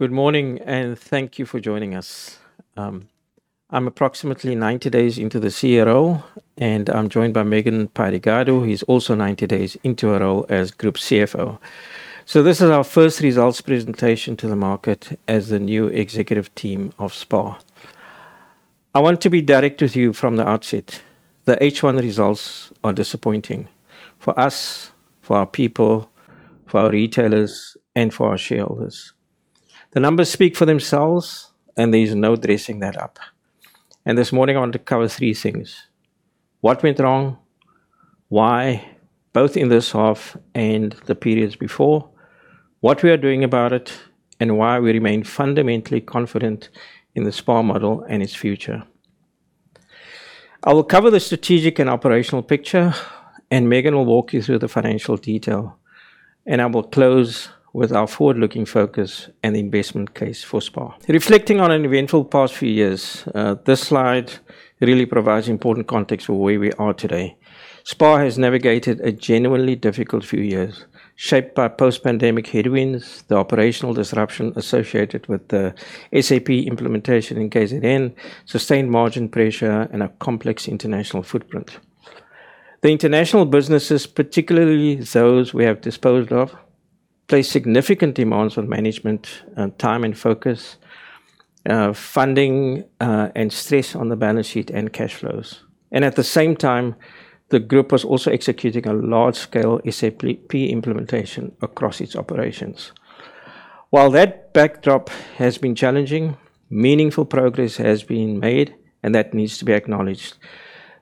Good morning and thank you for joining us. I'm approximately 90 days into the CRO and I'm joined by Megan Pydigadu, who is also 90 days into her role as Group CFO. This is our first results presentation to the market as the new executive team of SPAR. I want to be direct with you from the outset. The H1 results are disappointing for us, for our people, for our retailers, and for our shareholders. The numbers speak for themselves, and there's no dressing that up. This morning I want to cover three things. What went wrong, why, both in this half and the periods before, what we are doing about it, and why we remain fundamentally confident in the SPAR model and its future. I will cover the strategic and operational picture, and Megan will walk you through the financial detail, and I will close with our forward-looking focus and the investment case for SPAR. Reflecting on an eventful past few years, this slide really provides important context for where we are today. SPAR has navigated a genuinely difficult few years, shaped by post-pandemic headwinds, the operational disruption associated with the SAP implementation in KZN, sustained margin pressure, and a complex international footprint. The international businesses, particularly those we have disposed of, place significant demands on management, time and focus, funding, and stress on the balance sheet and cash flows. At the same time, the group was also executing a large-scale SAP implementation across its operations. While that backdrop has been challenging, meaningful progress has been made and that needs to be acknowledged.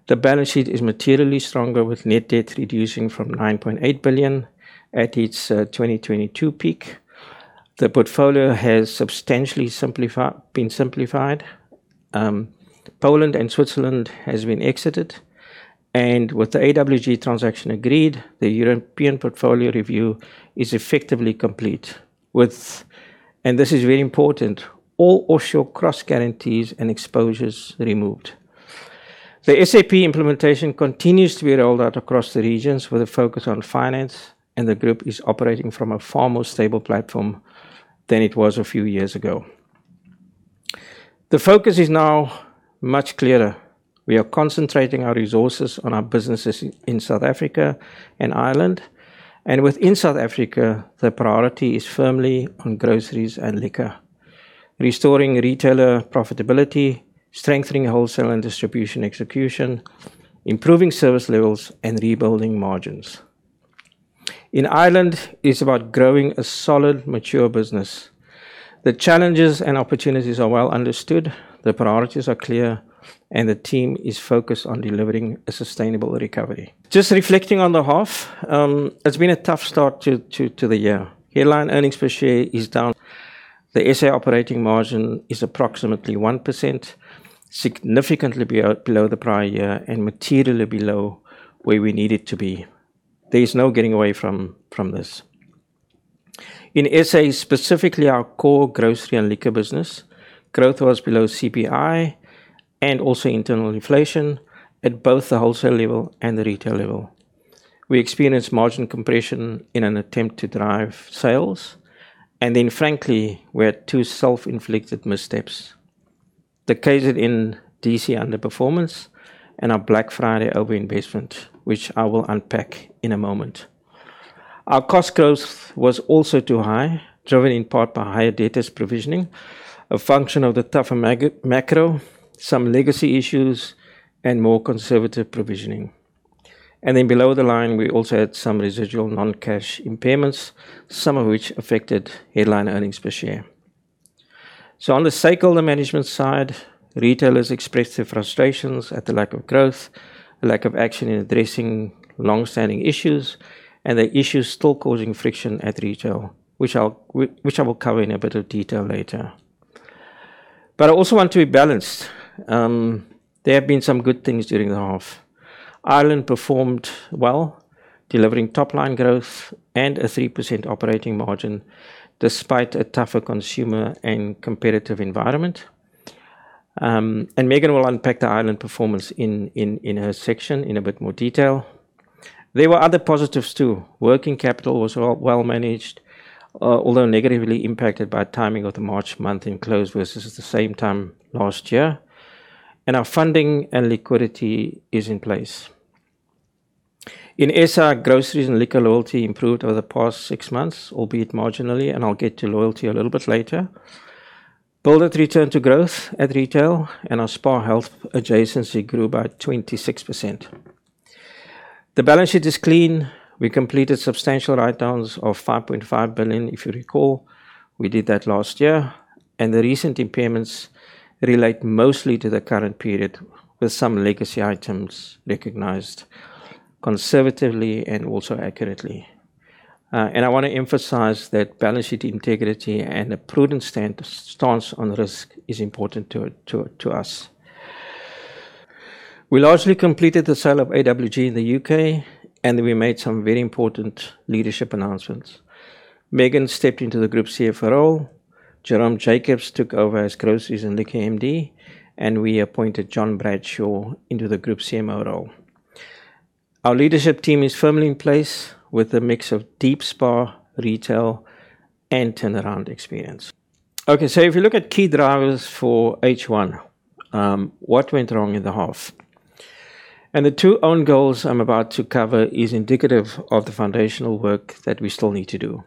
The balance sheet is materially stronger, with net debt reducing from 9.8 billion at its 2022 peak. The portfolio has substantially been simplified. Poland and Switzerland has been exited, and with the AWG transaction agreed, the European portfolio review is effectively complete with, and this is very important, all offshore cross guarantees and exposures removed. The SAP implementation continues to be rolled out across the regions with a focus on finance, and the group is operating from a far more stable platform than it was a few years ago. The focus is now much clearer. We are concentrating our resources on our businesses in South Africa and Ireland. Within South Africa, the priority is firmly on groceries and liquor, restoring retailer profitability, strengthening wholesale and distribution execution, improving service levels, and rebuilding margins. In Ireland, it's about growing a solid, mature business. The challenges and opportunities are well understood, the priorities are clear, and the team is focused on delivering a sustainable recovery. Just reflecting on the half, it's been a tough start to the year. Headline earnings per share is down. The S.A. operating margin is approximately 1%, significantly below the prior year and materially below where we need it to be. There is no getting away from this. In S.A., specifically our core grocery and liquor business, growth was below CPI and also internal inflation at both the wholesale level and the retail level. We experienced margin compression in an attempt to drive sales, and then frankly, we had two self-inflicted missteps. The KZN DC underperformance and our Black Friday over-investment, which I will unpack in a moment. Our cost growth was also too high, driven in part by higher debt provisioning, a function of the tougher macro, some legacy issues, and more conservative provisioning. Below the line, we also had some residual non-cash impairments, some of which affected headline earnings per share. On the stakeholder management side, retailers expressed their frustrations at the lack of growth, lack of action in addressing longstanding issues, and the issues still causing friction at retail, which I will cover in a bit of detail later. I also want to be balanced. There have been some good things during the half. Ireland performed well, delivering top-line growth and a 3% operating margin, despite a tougher consumer and competitive environment. Megan will unpack the Ireland performance in her section in a bit more detail. There were other positives too. Working capital was well managed, although negatively impacted by timing of the March month in close versus the same time last year. Our funding and liquidity is in place. In S.A., groceries and liquor loyalty improved over the past six months, albeit marginally, and I'll get to loyalty a little bit later. Build it returned to growth at retail and our SPAR Health adjacency grew by 26%. The balance sheet is clean. We completed substantial write-downs of 5.5 billion, if you recall. We did that last year. The recent impairments relate mostly to the current period with some legacy items recognized conservatively and also accurately. I want to emphasize that balance sheet integrity and a prudent stance on risk is important to us. We largely completed the sale of AWG in the U.K., and we made some very important leadership announcements. Megan stepped into the Group CFO role. Jerome Jacobs took over as Groceries and Liquor MD, and we appointed John Bradshaw into the Group CMO role. Our leadership team is firmly in place with a mix of deep SPAR retail and turnaround experience. If you look at key drivers for H1, what went wrong in the half? The two own goals I'm about to cover is indicative of the foundational work that we still need to do.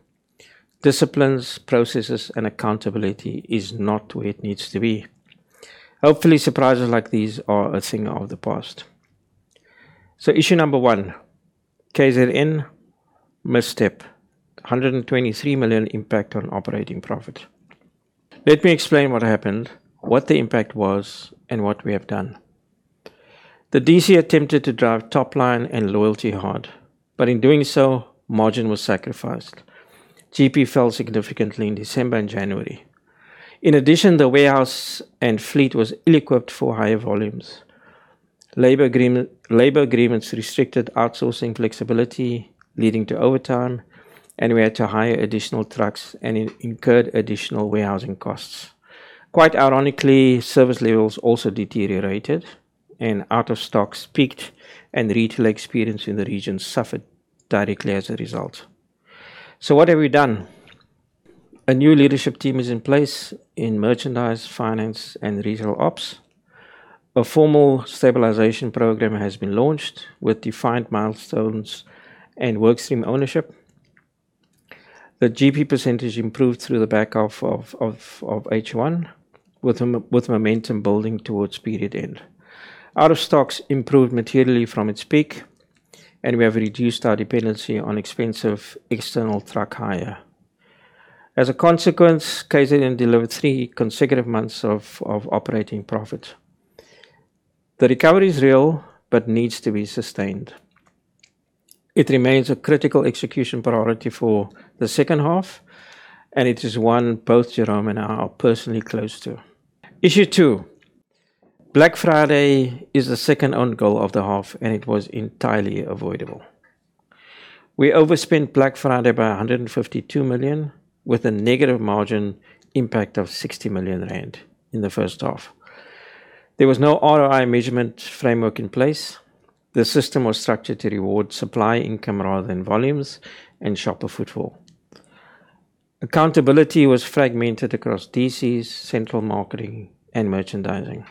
Disciplines, processes, and accountability is not where it needs to be. Hopefully, surprises like these are a thing of the past. Issue number one, KZN misstep. 123 million impact on operating profit. Let me explain what happened, what the impact was, and what we have done. The DC attempted to drive top line and loyalty hard, but in doing so, margin was sacrificed. GP fell significantly in December and January. In addition, the warehouse and fleet was ill-equipped for higher volumes. Labor agreements restricted outsourcing flexibility, leading to overtime, and we had to hire additional trucks and incurred additional warehousing costs. Quite ironically, service levels also deteriorated and out of stocks peaked and retail experience in the region suffered directly as a result. What have we done? A new leadership team is in place in merchandise, finance, and retail ops. A formal stabilization program has been launched with defined milestones and work stream ownership. The GP percentage improved through the back half of H1, with momentum building towards period end. Out of stocks improved materially from its peak, and we have reduced our dependency on expensive external truck hire. As a consequence, KZN delivered three consecutive months of operating profit. The recovery is real but needs to be sustained. It remains a critical execution priority for the second half, and it is one both Jerome and I are personally close to. Issue two, Black Friday is the second own goal of the half, and it was entirely avoidable. We overspent Black Friday by 152 million, with a negative margin impact of 60 million rand in the first half. There was no ROI measurement framework in place. The system was structured to reward supply income rather than volumes and shopper footfall. Accountability was fragmented across DCs, central marketing, and merchandising.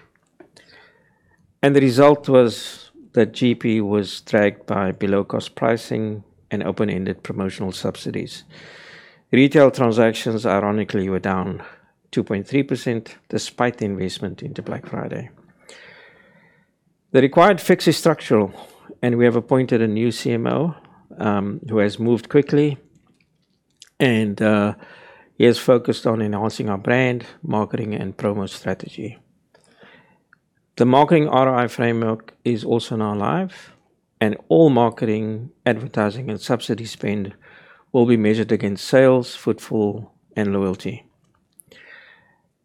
The result was that GP was dragged by below-cost pricing and open-ended promotional subsidies. Retail transactions, ironically, were down 2.3% despite the investment into Black Friday. The required fix is structural, and we have appointed a new CMO who has moved quickly, and he has focused on enhancing our brand marketing and promo strategy. The marketing ROI framework is also now live, and all marketing, advertising, and subsidy spend will be measured against sales, footfall, and loyalty.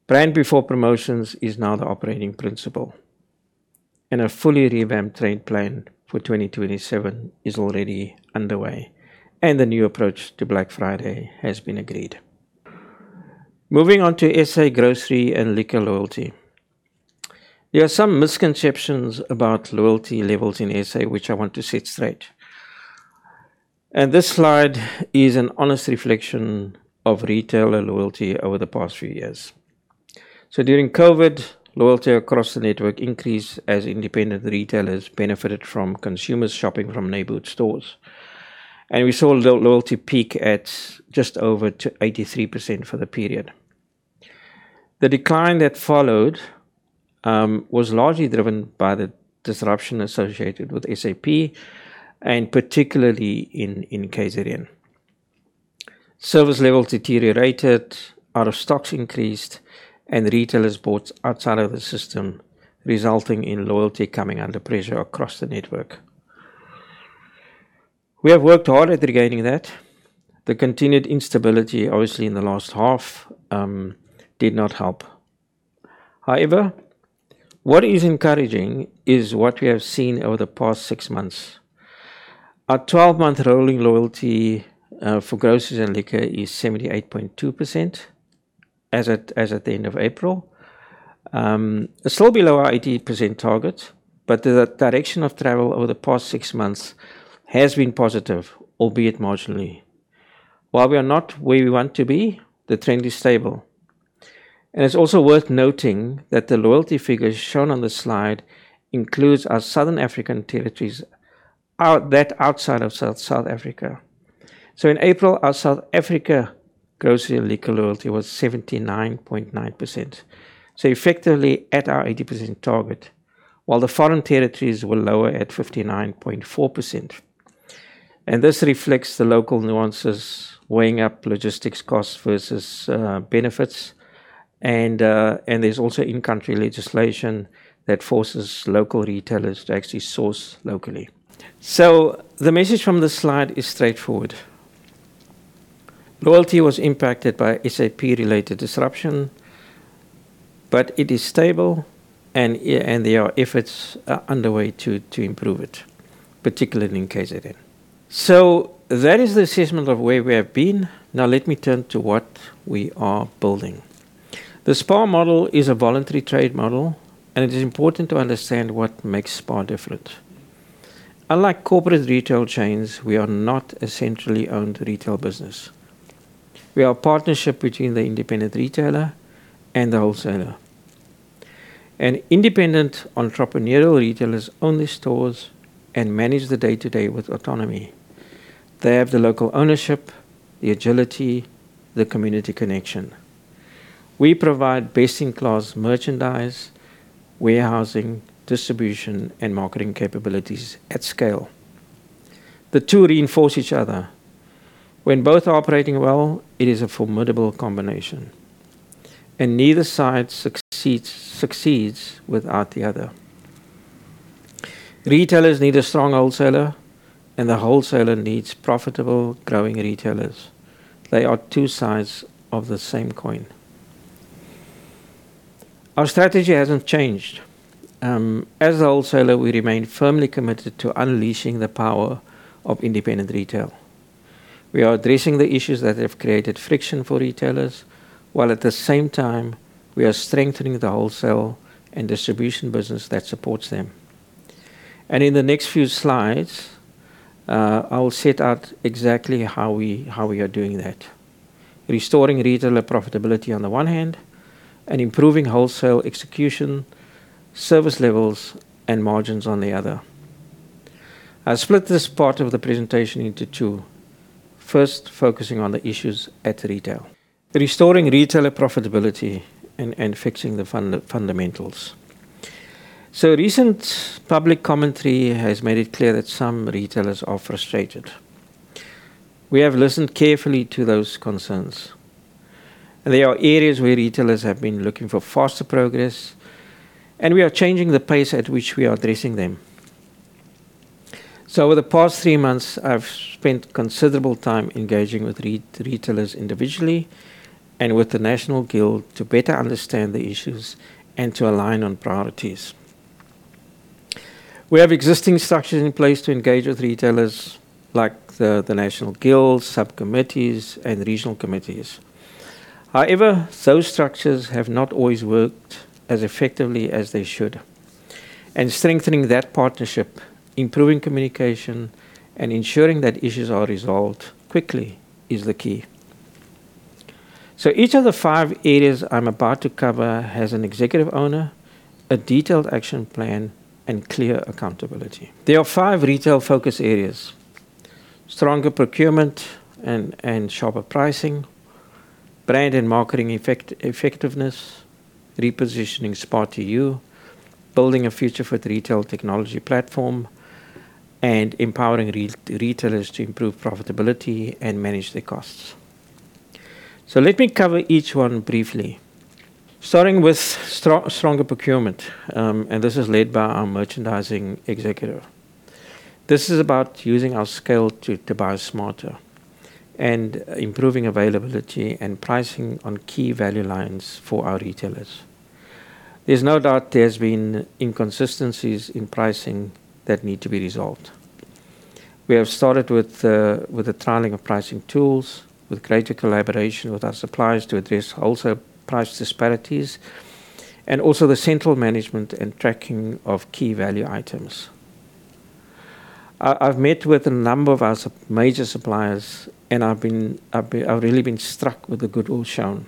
Brand before promotions is now the operating principle, and a fully revamped trade plan for 2027 is already underway, and the new approach to Black Friday has been agreed. Moving on to S.A. grocery and liquor loyalty. There are some misconceptions about loyalty levels in S.A., which I want to set straight. This slide is an honest reflection of retailer loyalty over the past few years. During COVID, loyalty across the network increased as independent retailers benefited from consumers shopping from neighborhood stores. We saw loyalty peak at just over 83% for the period. The decline that followed was largely driven by the disruption associated with SAP and particularly in KZN. Service levels deteriorated, out of stocks increased, and retailers bought outside of the system, resulting in loyalty coming under pressure across the network. We have worked hard at regaining that. The continued instability, obviously in the last half, did not help. However, what is encouraging is what we have seen over the past six months. Our 12-month rolling loyalty for groceries and liquor is 78.2% as at the end of April. Still below our 80% target, but the direction of travel over the past six months has been positive, albeit marginally. While we are not where we want to be, the trend is stable. It's also worth noting that the loyalty figures shown on this slide includes our Southern African territories that outside of South Africa. So in April, our South Africa grocery and liquor loyalty was 79.9%. So effectively at our 80% target, while the foreign territories were lower at 59.4%. This reflects the local nuances weighing up logistics costs versus benefits, and there's also in-country legislation that forces local retailers to actually source locally. The message from this slide is straightforward. Loyalty was impacted by SAP-related disruption, but it is stable and there are efforts underway to improve it, particularly in KZN. So that is the assessment of where we have been. Now let me turn to what we are building. The SPAR model is a voluntary trade model, and it is important to understand what makes SPAR different. Unlike corporate retail chains, we are not a centrally owned retail business. We are a partnership between the independent retailer and the wholesaler. Independent entrepreneurial retailers own the stores and manage the day-to-day with autonomy. They have the local ownership, the agility, the community connection. We provide best-in-class merchandise, warehousing, distribution, and marketing capabilities at scale. The two reinforce each other. When both are operating well, it is a formidable combination, and neither side succeeds without the other. Retailers need a strong wholesaler, and the wholesaler needs profitable, growing retailers. They are two sides of the same coin. Our strategy hasn't changed. As a wholesaler, we remain firmly committed to unleashing the power of independent retail. We are addressing the issues that have created friction for retailers, while at the same time, we are strengthening the wholesale and distribution business that supports them. In the next few slides, I will set out exactly how we are doing that, restoring retailer profitability on the one hand, and improving wholesale execution, service levels, and margins on the other. I'll split this part of the presentation into two, first focusing on the issues at retail. Restoring retailer profitability and fixing the fundamentals. Recent public commentary has made it clear that some retailers are frustrated. We have listened carefully to those concerns. There are areas where retailers have been looking for faster progress, and we are changing the pace at which we are addressing them. Over the past three months, I've spent considerable time engaging with retailers individually and with the National Guild to better understand the issues and to align on priorities. We have existing structures in place to engage with retailers like the National Guild, subcommittees, and regional committees. However, those structures have not always worked as effectively as they should. Strengthening that partnership, improving communication, and ensuring that issues are resolved quickly is the key. Each of the five areas I'm about to cover has an executive owner, a detailed action plan, and clear accountability. There are five retail focus areas: stronger procurement and sharper pricing, brand and marketing effectiveness, repositioning SPAR2U, building a future-fit retail technology platform, and empowering retailers to improve profitability and manage their costs. Let me cover each one briefly. Starting with stronger procurement, and this is led by our merchandising executive. This is about using our scale to buy smarter and improving availability and pricing on key value lines for our retailers. There's no doubt there's been inconsistencies in pricing that need to be resolved. We have started with the trialing of pricing tools with greater collaboration with our suppliers to address wholesale price disparities and also the central management and tracking of key value items. I've met with a number of our major suppliers, and I've really been struck with the goodwill shown.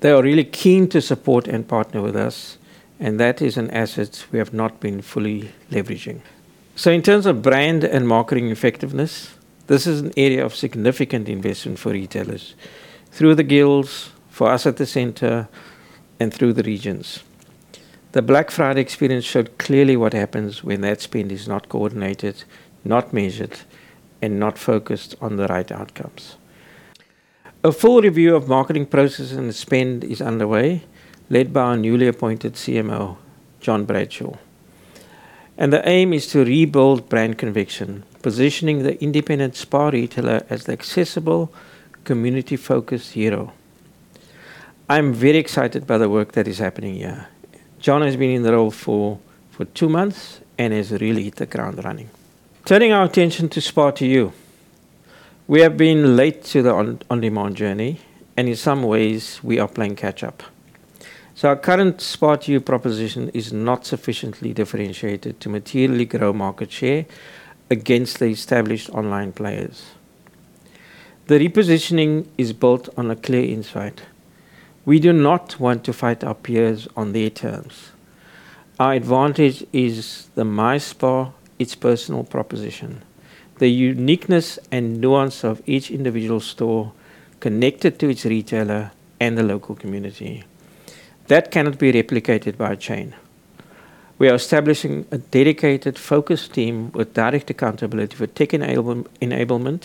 They are really keen to support and partner with us, and that is an asset we have not been fully leveraging. In terms of brand and marketing effectiveness, this is an area of significant investment for retailers through the guilds, for us at the center, and through the regions. The Black Friday experience showed clearly what happens when that spend is not coordinated, not measured, and not focused on the right outcomes. A full review of marketing processes and spend is underway, led by our newly appointed CMO, John Bradshaw. The aim is to rebuild brand conviction, positioning the independent SPAR retailer as the accessible, community-focused hero. I'm very excited by the work that is happening here. John has been in the role for two months and has really hit the ground running. Turning our attention to SPAR2U. We have been late to the on-demand journey, and in some ways, we are playing catch-up. Our current SPAR2U proposition is not sufficiently differentiated to materially grow market share against the established online players. The repositioning is built on a clear insight. We do not want to fight our peers on their terms. Our advantage is the My SPAR, its personal proposition, the uniqueness and nuance of each individual store connected to its retailer and the local community. That cannot be replicated by a chain. We are establishing a dedicated focus team with direct accountability for tech enablement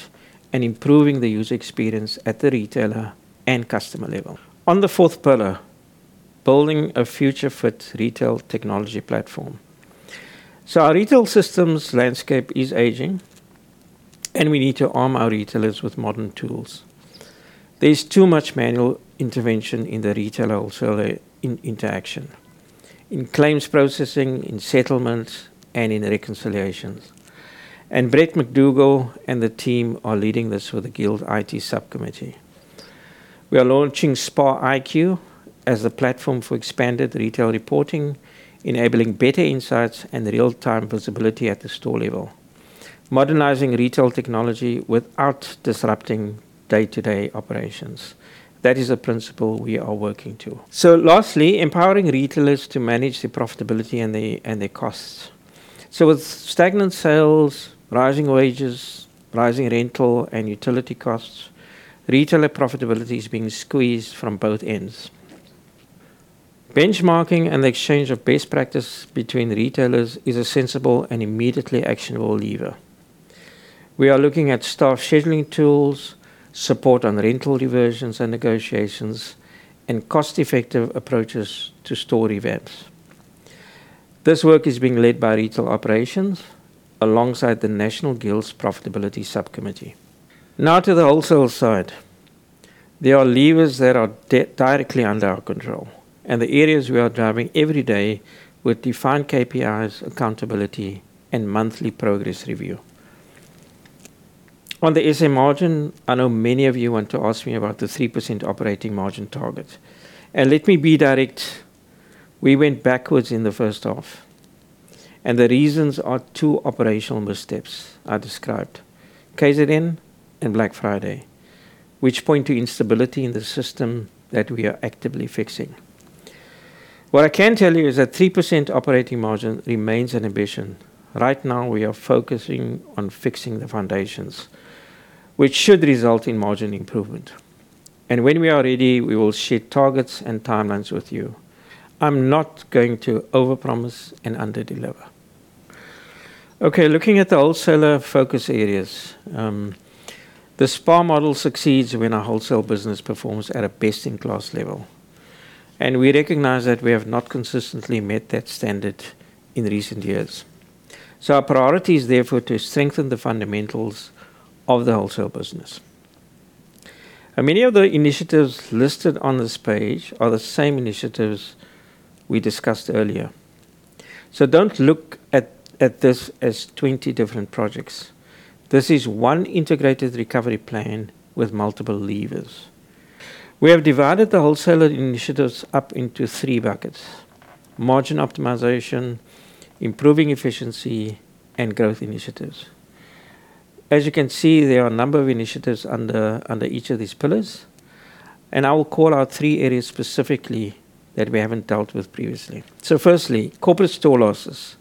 and improving the user experience at the retailer and customer level. On the fourth pillar, building a future-fit retail technology platform. Our retail systems landscape is aging, and we need to arm our retailers with modern tools. There's too much manual intervention in the retailer-wholesaler interaction. In claims processing, in settlements, and in reconciliations. Brett McDougall and the team are leading this with the Guild IT subcommittee. We are launching [SPAR IQ] as the platform for expanded retail reporting, enabling better insights and real-time visibility at the store level, modernizing retail technology without disrupting day-to-day operations. That is a principle we are working to. Lastly, empowering retailers to manage their profitability and their costs. With stagnant sales, rising wages, rising rental, and utility costs, retailer profitability is being squeezed from both ends. Benchmarking and the exchange of best practice between retailers is a sensible and immediately actionable lever. We are looking at staff scheduling tools, support on rental diversions and negotiations, and cost-effective approaches to store revamps. This work is being led by retail operations alongside the National Guild's profitability subcommittee. Now to the wholesale side. There are levers that are directly under our control, and the areas we are driving every day with defined KPIs, accountability, and monthly progress review. On the S.A. margin, I know many of you want to ask me about the 3% operating margin target. Let me be direct, we went backwards in the first half, and the reasons are two operational missteps I described, KZN and Black Friday, which point to instability in the system that we are actively fixing. What I can tell you is that 3% operating margin remains an ambition. Right now, we are focusing on fixing the foundations, which should result in margin improvement. When we are ready, we will share targets and timelines with you. I'm not going to overpromise and underdeliver. Okay, looking at the wholesaler focus areas. The SPAR model succeeds when our wholesale business performs at a best-in-class level. We recognize that we have not consistently met that standard in recent years. Our priority is therefore to strengthen the fundamentals of the wholesale business. Many of the initiatives listed on this page are the same initiatives we discussed earlier. Don't look at this as 20 different projects. This is one integrated recovery plan with multiple levers. We have divided the wholesaler initiatives up into three buckets: margin optimization, improving efficiency, and growth initiatives. As you can see, there are a number of initiatives under each of these pillars, and I will call out three areas specifically that we haven't dealt with previously. Firstly, corporate store losses.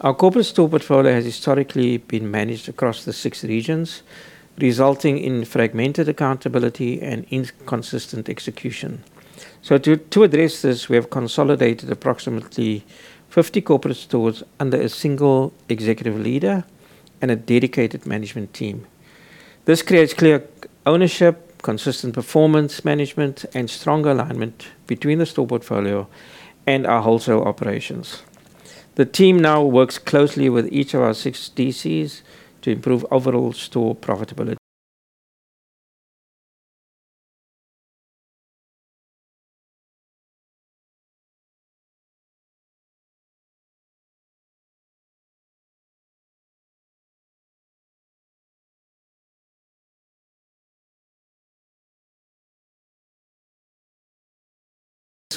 Our corporate store portfolio has historically been managed across the 6 regions, resulting in fragmented accountability and inconsistent execution. To address this, we have consolidated approximately 50 corporate stores under a single executive leader and a dedicated management team. This creates clear ownership, consistent performance management, and stronger alignment between the store portfolio and our wholesale operations. The team now works closely with each of our six DCs to improve overall store profitability.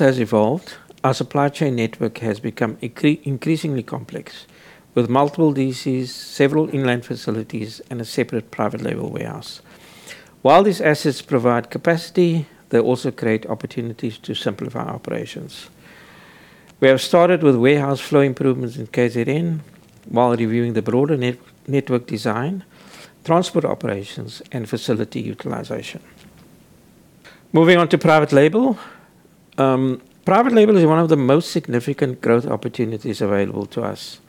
As evolved, our supply chain network has become increasingly complex, with multiple DCs, several inland facilities, and a separate private label warehouse. While these assets provide capacity, they also create opportunities to simplify our operations. We have started with warehouse flow improvements in KZN while reviewing the broader network design, transport operations, and facility utilization. Moving on to private label. Private label is one of the most significant growth opportunities available to us.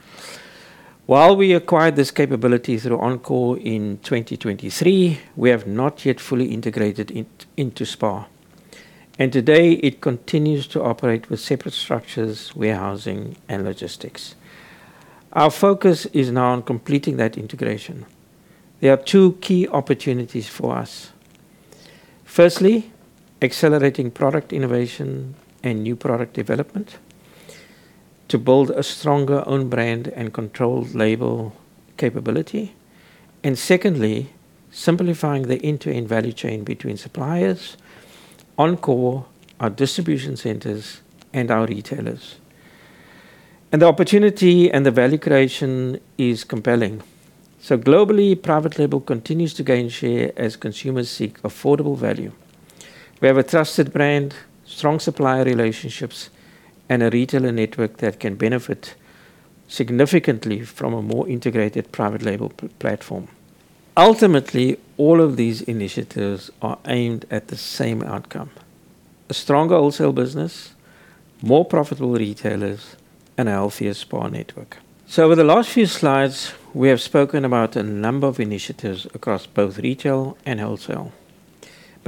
While we acquired this capability through Encore in 2023, we have not yet fully integrated it into SPAR. Today it continues to operate with separate structures, warehousing, and logistics. Our focus is now on completing that integration. There are two key opportunities for us. Firstly, accelerating product innovation and new product development to build a stronger own brand and controlled label capability. Secondly, simplifying the end-to-end value chain between suppliers, Encore, our distribution centers, and our retailers. The opportunity and the value creation is compelling. Globally, private label continues to gain share as consumers seek affordable value. We have a trusted brand, strong supplier relationships, and a retailer network that can benefit significantly from a more integrated private label platform. Ultimately, all of these initiatives are aimed at the same outcome, a stronger wholesale business, more profitable retailers, and a healthier SPAR network. Over the last few slides, we have spoken about a number of initiatives across both retail and wholesale.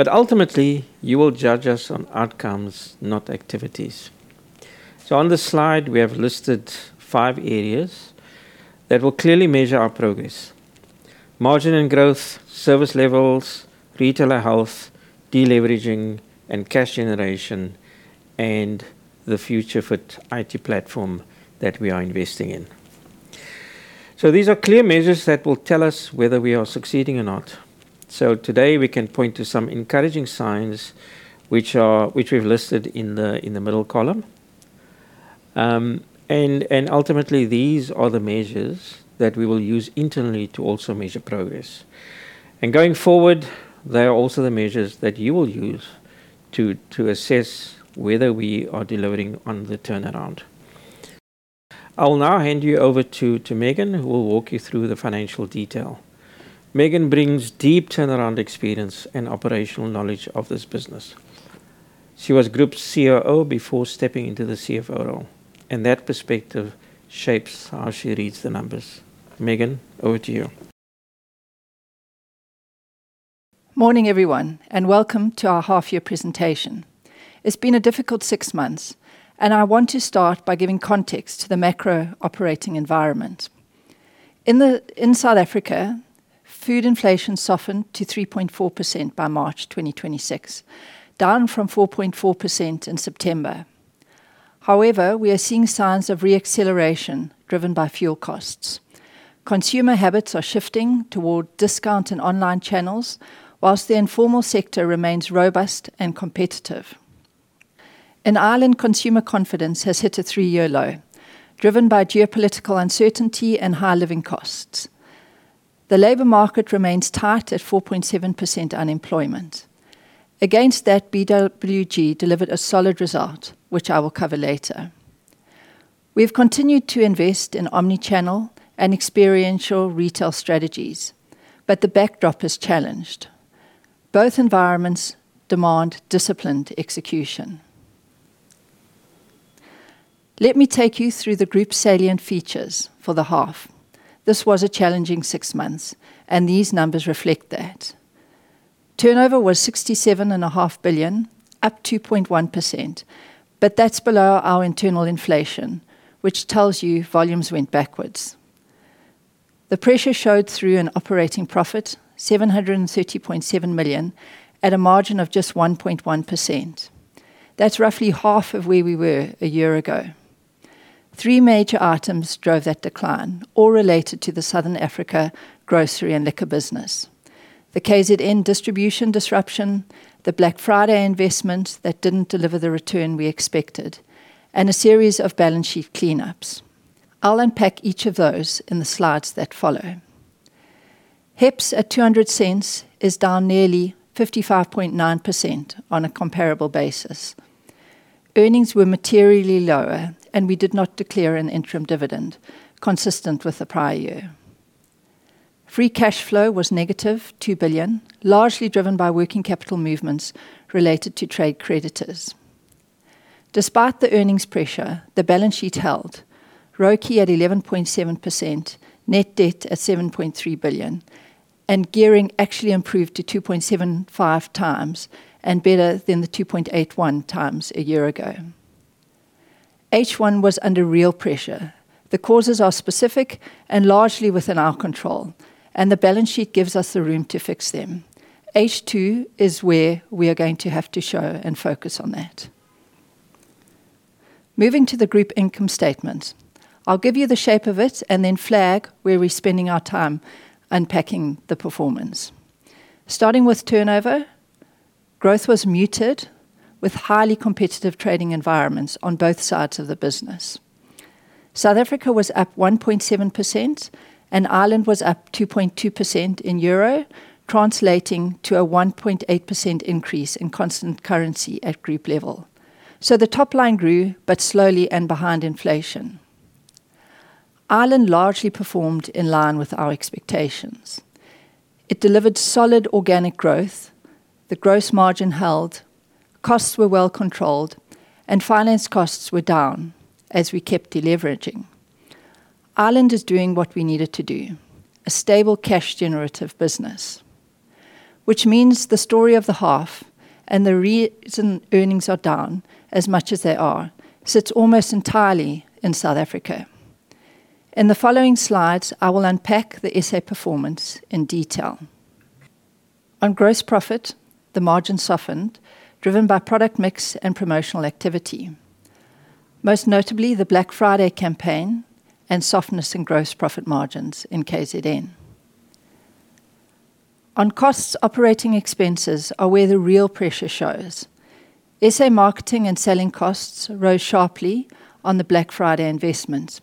Ultimately, you will judge us on outcomes, not activities. On this slide, we have listed five areas that will clearly measure our progress. Margin and growth, service levels, retailer health, deleveraging, and cash generation, and the future fit IT platform that we are investing in. These are clear measures that will tell us whether we are succeeding or not. Today, we can point to some encouraging signs which we've listed in the middle column. Ultimately, these are the measures that we will use internally to also measure progress. Going forward, they are also the measures that you will use to assess whether we are delivering on the turnaround. I will now hand you over to Megan, who will walk you through the financial detail. Megan brings deep turnaround experience and operational knowledge of this business. She was group COO before stepping into the CFO role, and that perspective shapes how she reads the numbers. Megan, over to you. Morning, everyone, and welcome to our half-year presentation. It has been a difficult six months. I want to start by giving context to the macro operating environment. In South Africa, food inflation softened to 3.4% by March 2026, down from 4.4% in September. However, we are seeing signs of re-acceleration driven by fuel costs. Consumer habits are shifting toward discount and online channels, whilst the informal sector remains robust and competitive. In Ireland, consumer confidence has hit a three-year low, driven by geopolitical uncertainty and high living costs. The labor market remains tight at 4.7% unemployment. Against that, BWG delivered a solid result, which I will cover later. We have continued to invest in omnichannel and experiential retail strategies, but the backdrop has challenged. Both environments demand disciplined execution. Let me take you through the group's salient features for the half. This was a challenging six months, and these numbers reflect that. Turnover was 67.5 billion, up 2.1%, but that is below our internal inflation, which tells you volumes went backwards. The pressure showed through in operating profit 730.7 million at a margin of just 1.1%. That is roughly half of where we were a year ago. Three major items drove that decline, all related to the Southern Africa grocery and liquor business. The KZN distribution disruption, the Black Friday investment that did not deliver the return we expected, and a series of balance sheet cleanups. I will unpack each of those in the slides that follow. HEPS at 2.00 is down nearly 55.9% on a comparable basis. Earnings were materially lower, and we did not declare an interim dividend consistent with the prior year. Free cash flow was negative 2 billion, largely driven by working capital movements related to trade creditors. Despite the earnings pressure, the balance sheet held, ROCE at 11.7%, net debt at 7.3 billion, and gearing actually improved to 2.75 times and better than the 2.81 times a year ago. H1 was under real pressure. The causes are specific and largely within our control, and the balance sheet gives us the room to fix them. H2 is where we are going to have to show and focus on that. Moving to the group income statement. I will give you the shape of it and then flag where we are spending our time unpacking the performance. Starting with turnover, growth was muted with highly competitive trading environments on both sides of the business. South Africa was up 1.7%, and Ireland was up 2.2% in EUR, translating to a 1.8% increase in constant currency at group level. The top line grew, but slowly and behind inflation. Ireland largely performed in line with our expectations. It delivered solid organic growth, the gross margin held, costs were well controlled, and finance costs were down as we kept deleveraging. Ireland is doing what we need it to do, a stable cash generative business, which means the story of the half and the reason earnings are down as much as they are, sits almost entirely in South Africa. In the following slides, I will unpack the S.A. performance in detail. On gross profit, the margin softened, driven by product mix and promotional activity, most notably the Black Friday campaign and softness in gross profit margins in KZN. On costs, operating expenses are where the real pressure shows. S.A. marketing and selling costs rose sharply on the Black Friday investment.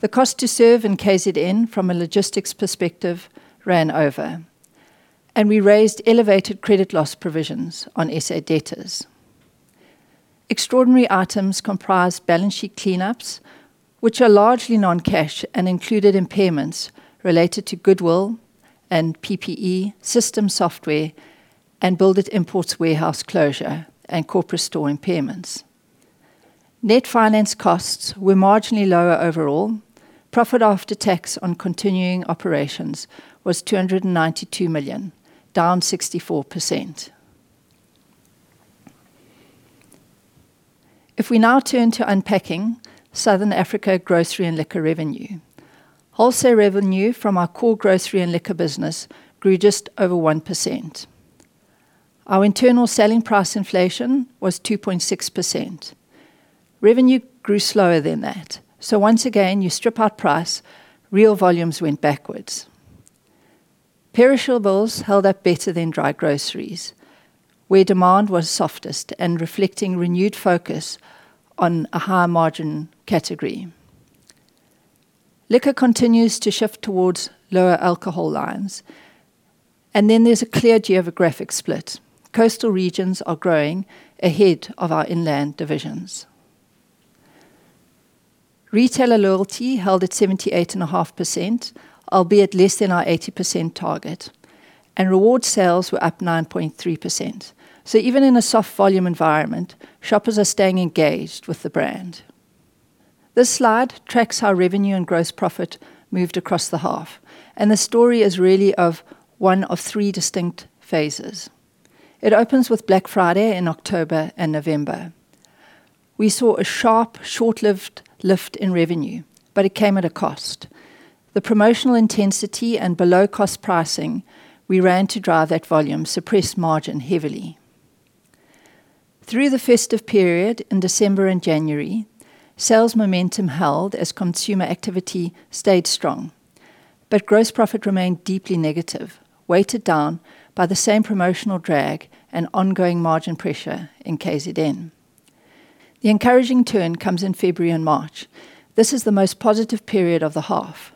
The cost to serve in KZN from a logistics perspective ran over, and we raised elevated credit loss provisions on S.A. debtors. Extraordinary items comprise balance sheet cleanups, which are largely non-cash and included impairments related to goodwill and PPE, system software, and Build it Imports warehouse closure and corporate store impairments. Net finance costs were marginally lower overall. Profit after tax on continuing operations was 292 million, down 64%. We now turn to unpacking Southern Africa grocery and liquor revenue, wholesale revenue from our core grocery and liquor business grew just over 1%. Our internal selling price inflation was 2.6%. Revenue grew slower than that. Once again, you strip out price, real volumes went backwards. Perishables held up better than dry groceries, where demand was softest and reflecting renewed focus on a higher margin category. Liquor continues to shift towards lower alcohol lines. There's a clear geographic split. Coastal regions are growing ahead of our inland divisions. Retailer loyalty held at 78.5%, albeit less than our 80% target, and reward sales were up 9.3%. Even in a soft volume environment, shoppers are staying engaged with the brand. This slide tracks how revenue and gross profit moved across the half, and the story is really of one of three distinct phases. It opens with Black Friday in October and November. We saw a sharp, short-lived lift in revenue, but it came at a cost. The promotional intensity and below-cost pricing we ran to drive that volume suppressed margin heavily. Through the festive period in December and January, sales momentum held as consumer activity stayed strong, but gross profit remained deeply negative, weighted down by the same promotional drag and ongoing margin pressure in KZN. The encouraging turn comes in February and March. This is the most positive period of the half.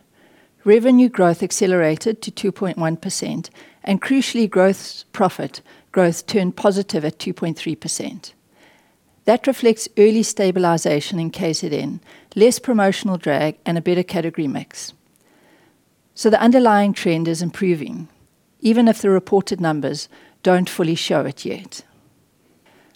Revenue growth accelerated to 2.1%, and crucially, growth profit turned positive at 2.3%. That reflects early stabilization in KZN, less promotional drag, and a better category mix. The underlying trend is improving, even if the reported numbers don't fully show it yet.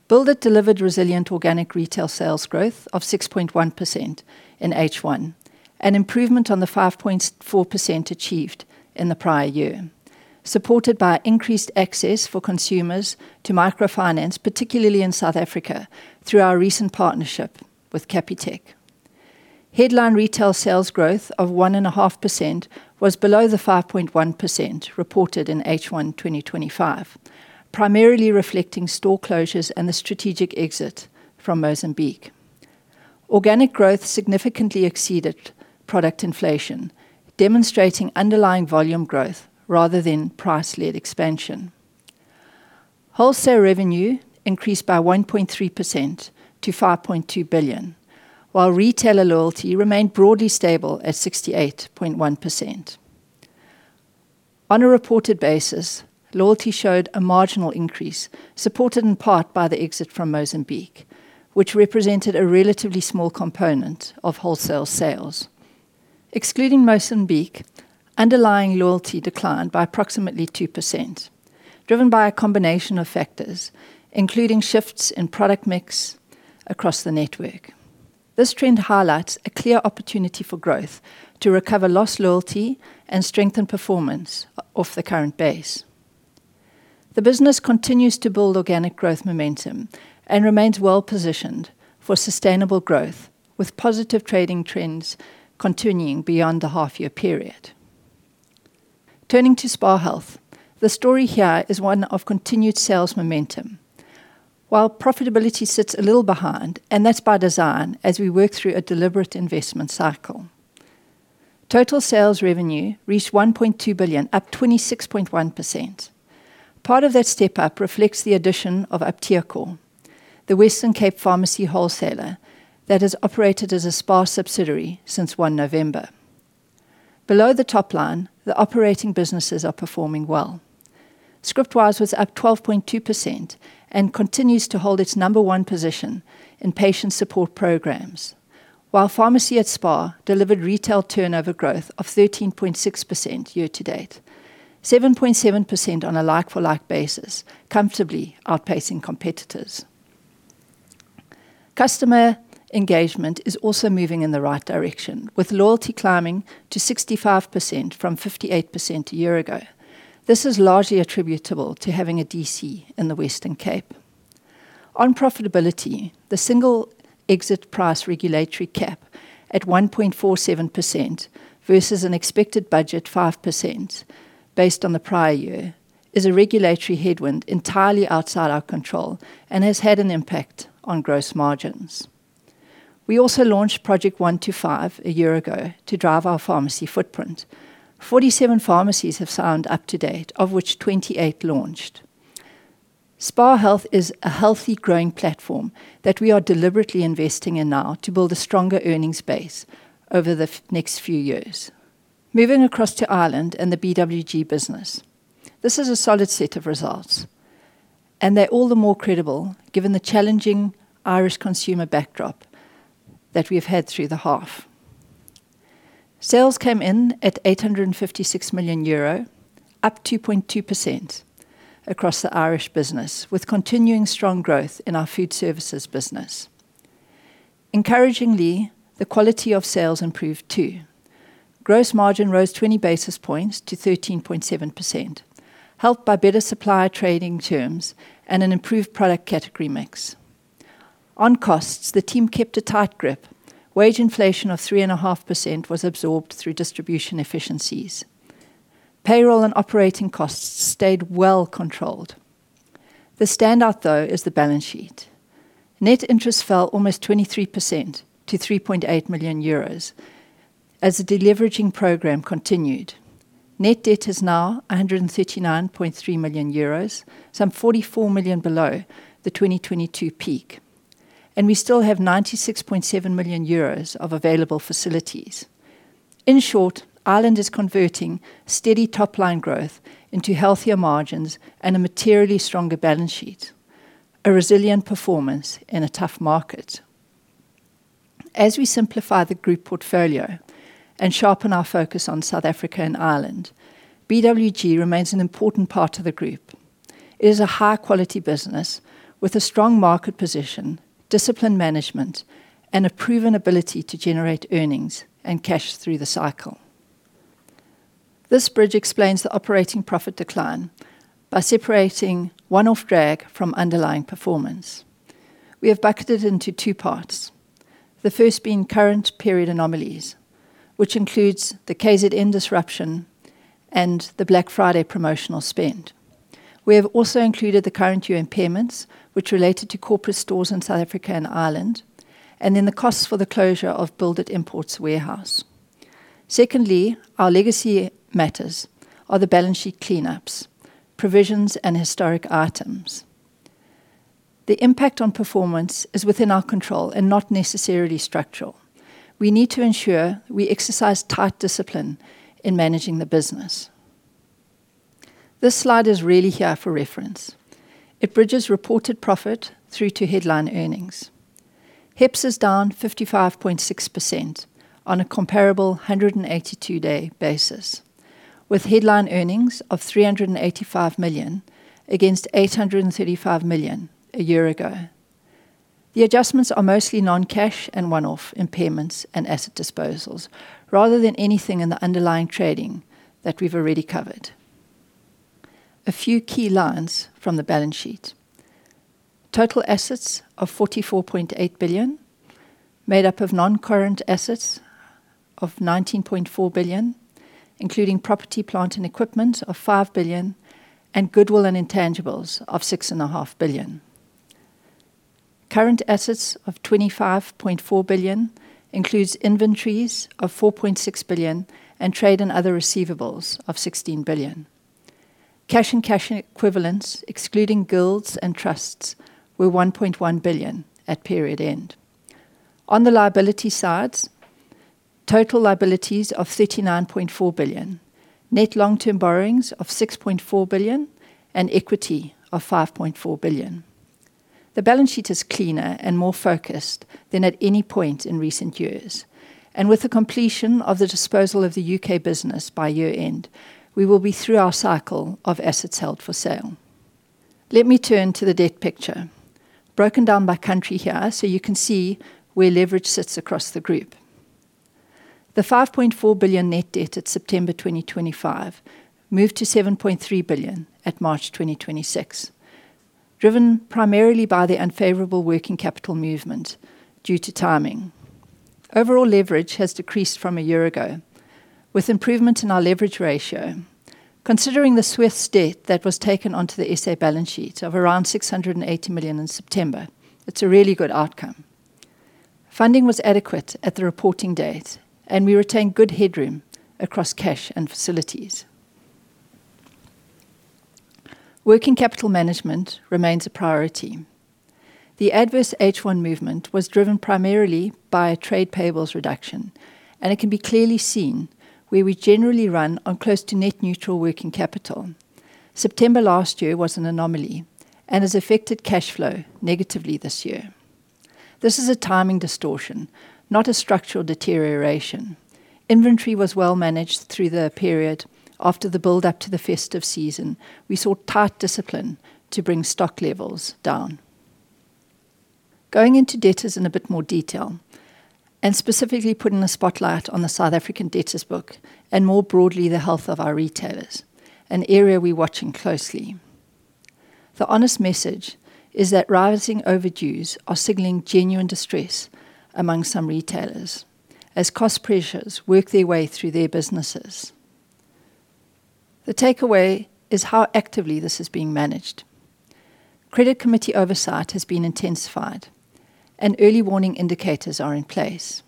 Build it delivered resilient organic retail sales growth of 6.1% in H1, an improvement on the 5.4% achieved in the prior year, supported by increased access for consumers to microfinance, particularly in South Africa, through our recent partnership with Capitec. Headline retail sales growth of 1.5% was below the 5.1% reported in H1 2025, primarily reflecting store closures and the strategic exit from Mozambique. Organic growth significantly exceeded product inflation, demonstrating underlying volume growth rather than price-led expansion. Wholesale revenue increased by 1.3% to 5.2 billion, while retailer loyalty remained broadly stable at 68.1%. On a reported basis, loyalty showed a marginal increase, supported in part by the exit from Mozambique, which represented a relatively small component of wholesale sales. Excluding Mozambique, underlying loyalty declined by approximately 2%, driven by a combination of factors, including shifts in product mix across the network. This trend highlights a clear opportunity for growth to recover lost loyalty and strengthen performance off the current base. The business continues to build organic growth momentum and remains well-positioned for sustainable growth, with positive trading trends continuing beyond the half-year period. Turning to SPAR Health, the story here is one of continued sales momentum. While profitability sits a little behind, and that's by design as we work through a deliberate investment cycle. Total sales revenue reached 1.2 billion, up 26.1%. Part of that step-up reflects the addition of Aptekor, the Western Cape pharmacy wholesaler that has operated as a SPAR subsidiary since November 1. Below the top line, the operating businesses are performing well. Scriptwise was up 12.2% and continues to hold its number one position in patient support programs, while Pharmacy at SPAR delivered retail turnover growth of 13.6% year to date, 7.7% on a like-for-like basis, comfortably outpacing competitors. Customer engagement is also moving in the right direction, with loyalty climbing to 65% from 58% a year ago. This is largely attributable to having a DC in the Western Cape. On profitability, the single exit price regulatory cap at 1.47% versus an expected budget 5% based on the prior year is a regulatory headwind entirely outside our control and has had an impact on gross margins. We also launched Project 125 a year ago to drive our pharmacy footprint. 47 pharmacies have signed up to date, of which 28 launched. SPAR Health is a healthy growing platform that we are deliberately investing in now to build a stronger earnings base over the next few years. Moving across to Ireland and the BWG business. This is a solid set of results, and they are all the more credible given the challenging Irish consumer backdrop that we have had through the half. Sales came in at 856 million euro, up 2.2% across the Irish business, with continuing strong growth in our food services business. Encouragingly, the quality of sales improved too. Gross margin rose 20 basis points to 13.7%, helped by better supplier trading terms and an improved product category mix. On costs, the team kept a tight grip. Wage inflation of 3.5% was absorbed through distribution efficiencies. Payroll and operating costs stayed well controlled. The standout, though, is the balance sheet. Net interest fell almost 23% to 3.8 million euros as the deleveraging program continued. Net debt is now 139.3 million euros, some 44 million below the 2022 peak, and we still have 96.7 million euros of available facilities. In short, Ireland is converting steady top-line growth into healthier margins and a materially stronger balance sheet, a resilient performance in a tough market. As we simplify the group portfolio and sharpen our focus on South Africa and Ireland, BWG remains an important part of the group. It is a high-quality business with a strong market position, disciplined management, and a proven ability to generate earnings and cash through the cycle. This bridge explains the operating profit decline by separating one-off drag from underlying performance. We have bucketed it into two parts, the first being current period anomalies, which includes the KZN disruption and the Black Friday promotional spend. We have also included the current year impairments which related to corporate stores in South Africa and Ireland, and then the costs for the closure of Build it Imports warehouse. Secondly, our legacy matters are the balance sheet cleanups, provisions, and historic items. The impact on performance is within our control and not necessarily structural. We need to ensure we exercise tight discipline in managing the business. This slide is really here for reference. It bridges reported profit through to headline earnings. HEPS is down 55.6% on a comparable 182-day basis, with headline earnings of 385 million against 835 million a year ago. The adjustments are mostly non-cash and one-off impairments and asset disposals rather than anything in the underlying trading that we have already covered. A few key lines from the balance sheet. Total assets of 44.8 billion, made up of non-current assets of 19.4 billion, including property, plant, and equipment of 5 billion, and goodwill and intangibles of 6.5 billion. Current assets of 25.4 billion includes inventories of 4.6 billion and trade and other receivables of 16 billion. Cash and cash equivalents, excluding guilds and trusts, were 1.1 billion at period end. On the liability sides, total liabilities of 39.4 billion, net long-term borrowings of 6.4 billion, and equity of 5.4 billion. The balance sheet is cleaner and more focused than at any point in recent years. With the completion of the disposal of the U.K. business by year-end, we will be through our cycle of assets held for sale. Let me turn to the debt picture, broken down by country here so you can see where leverage sits across the group. The 5.4 billion net debt at September 2025 moved to 7.3 billion at March 2026, driven primarily by the unfavorable working capital movement due to timing. Overall leverage has decreased from a year ago, with improvement in our leverage ratio. Considering the [Swiss] debt that was taken onto the S.A. balance sheet of around 680 million in September, it's a really good outcome. Funding was adequate at the reporting date, and we retained good headroom across cash and facilities. Working capital management remains a priority. The adverse H1 movement was driven primarily by a trade payables reduction, and it can be clearly seen where we generally run on close to net neutral working capital. September last year was an anomaly and has affected cash flow negatively this year. This is a timing distortion, not a structural deterioration. Inventory was well managed through the period. After the build up to the festive season, we saw tight discipline to bring stock levels down. Going into debtors in a bit more detail, and specifically putting a spotlight on the South African debtors book and more broadly, the health of our retailers, an area we're watching closely. The honest message is that rising overdues are signaling genuine distress among some retailers as cost pressures work their way through their businesses. The takeaway is how actively this is being managed. Credit committee oversight has been intensified, and early warning indicators are in place.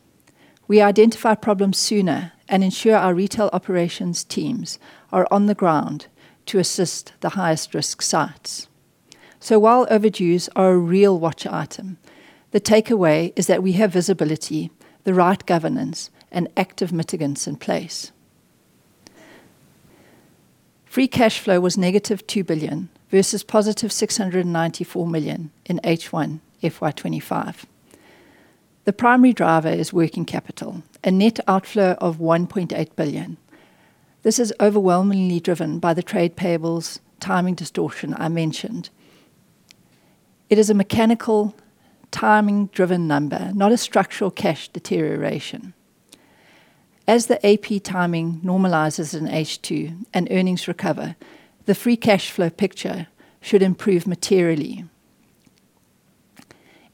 We identify problems sooner and ensure our retail operations teams are on the ground to assist the highest risk sites. While overdues are a real watch item, the takeaway is that we have visibility, the right governance, and active mitigants in place. Free cash flow was negative 2 billion versus positive 694 million in H1 FY 2025. The primary driver is working capital, a net outflow of 1.8 billion. This is overwhelmingly driven by the trade payables timing distortion I mentioned. It is a mechanical timing driven number, not a structural cash deterioration. As the AP timing normalizes in H2 and earnings recover, the free cash flow picture should improve materially.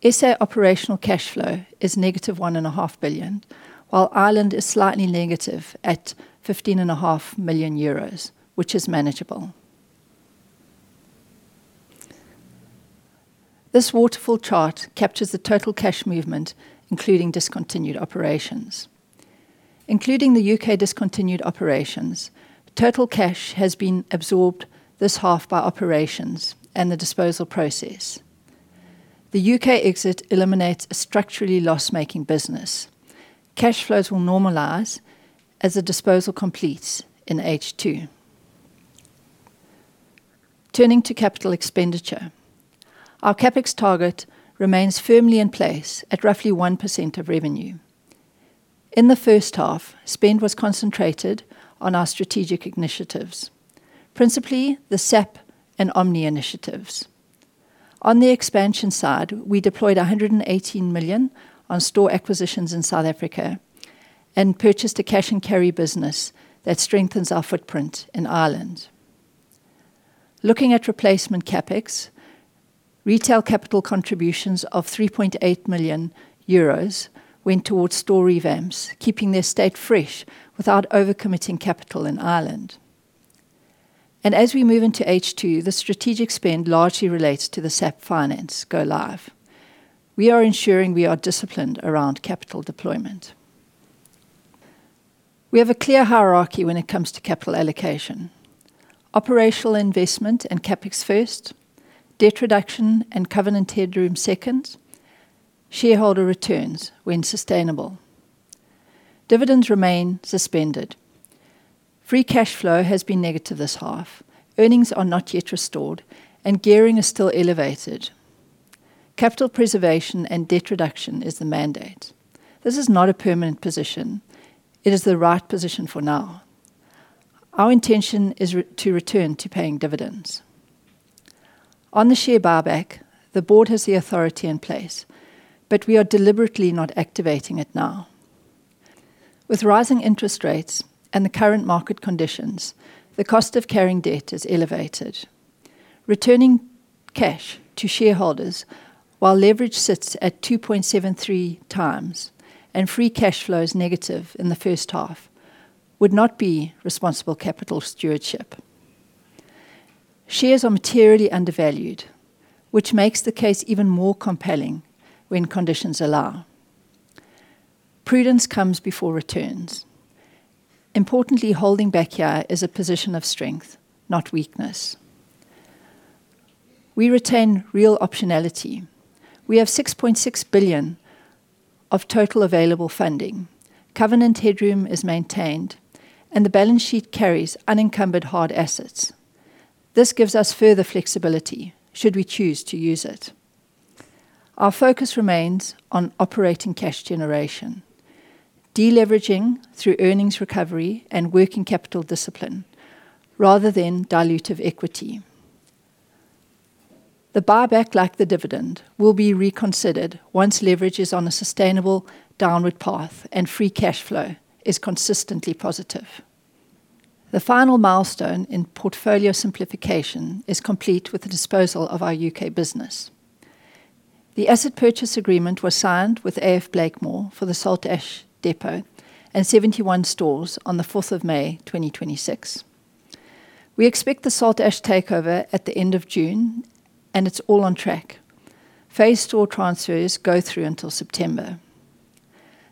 S.A. operational cash flow is negative 1.5 billion, while Ireland is slightly negative at 15.5 million euros, which is manageable. This waterfall chart captures the total cash movement, including discontinued operations. Including the U.K. discontinued operations, total cash has been absorbed this half by operations and the disposal process. The U.K. exit eliminates a structurally loss-making business. Cash flows will normalize as the disposal completes in H2. Turning to capital expenditure. Our CapEx target remains firmly in place at roughly 1% of revenue. In the first half, spend was concentrated on our strategic initiatives, principally the SAP and omni initiatives. On the expansion side, we deployed 118 million on store acquisitions in South Africa and purchased a cash and carry business that strengthens our footprint in Ireland. Looking at replacement CapEx, retail capital contributions of 3.8 million euros went towards store revamps, keeping their state fresh without overcommitting capital in Ireland. As we move into H2, the strategic spend largely relates to the SAP finance go live. We are ensuring we are disciplined around capital deployment. We have a clear hierarchy when it comes to capital allocation. Operational investment and CapEx first, debt reduction and covenant headroom second, shareholder returns when sustainable. Dividends remain suspended. Free cash flow has been negative this half, earnings are not yet restored, and gearing is still elevated. Capital preservation and debt reduction is the mandate. This is not a permanent position. It is the right position for now. Our intention is to return to paying dividends. On the share buyback, the board has the authority in place, but we are deliberately not activating it now. With rising interest rates and the current market conditions, the cost of carrying debt is elevated. Returning cash to shareholders while leverage sits at 2.73 times and free cash flow is negative in the first half, would not be responsible capital stewardship. Shares are materially undervalued, which makes the case even more compelling when conditions allow. Prudence comes before returns. Importantly, holding back here is a position of strength, not weakness. We retain real optionality. We have 6.6 billion of total available funding. Covenant headroom is maintained, and the balance sheet carries unencumbered hard assets. This gives us further flexibility should we choose to use it. Our focus remains on operating cash generation, deleveraging through earnings recovery and working capital discipline rather than dilutive equity. The buyback, like the dividend, will be reconsidered once leverage is on a sustainable downward path and free cash flow is consistently positive. The final milestone in portfolio simplification is complete with the disposal of our U.K. business. The asset purchase agreement was signed with A.F. Blakemore for the Saltash depot and 71 stores on the May 4th, 2026. We expect the Saltash takeover at the end of June, and it's all on track. Phased store transfers go through until September.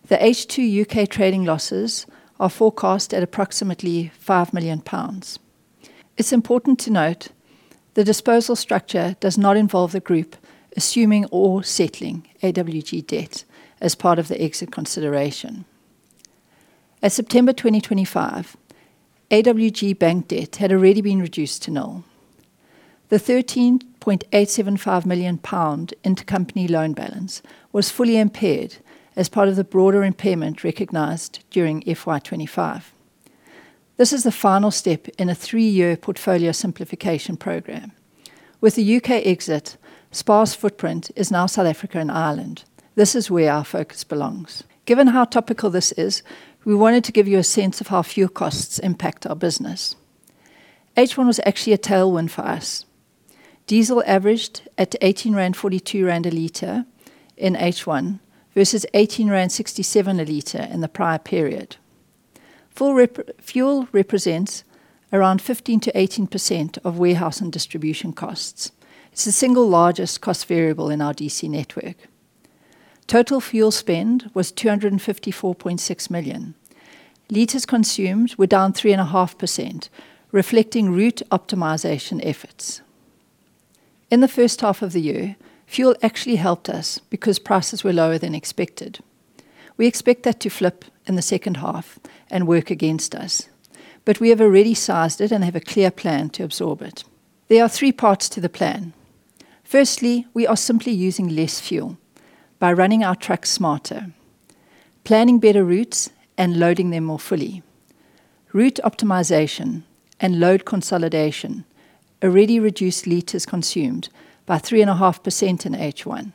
The H2 U.K. trading losses are forecast at approximately 5 million pounds. It's important to note the disposal structure does not involve the group assuming or settling AWG debt as part of the exit consideration. At September 2025, AWG bank debt had already been reduced to nil. The 13.875 million pound intercompany loan balance was fully impaired as part of the broader impairment recognized during FY 2025. This is the final step in a three-year portfolio simplification program. With the U.K. exit, SPAR's footprint is now South Africa and Ireland. This is where our focus belongs. Given how topical this is, we wanted to give you a sense of how fuel costs impact our business. H1 was actually a tailwind for us. Diesel averaged at 18.42 rand a liter in H1 versus 18.67 rand a liter in the prior period. Fuel represents around 15%-18% of warehouse and distribution costs. It's the single largest cost variable in our DC network. Total fuel spend was 254.6 million. Liters consumed were down 3.5%, reflecting route optimization efforts. In the first half of the year, fuel actually helped us because prices were lower than expected. We expect that to flip in the second half and work against us, but we have already sized it and have a clear plan to absorb it. There are three parts to the plan. Firstly, we are simply using less fuel by running our trucks smarter. Planning better routes and loading them more fully. Route optimization and load consolidation already reduced liters consumed by 3.5% in H1.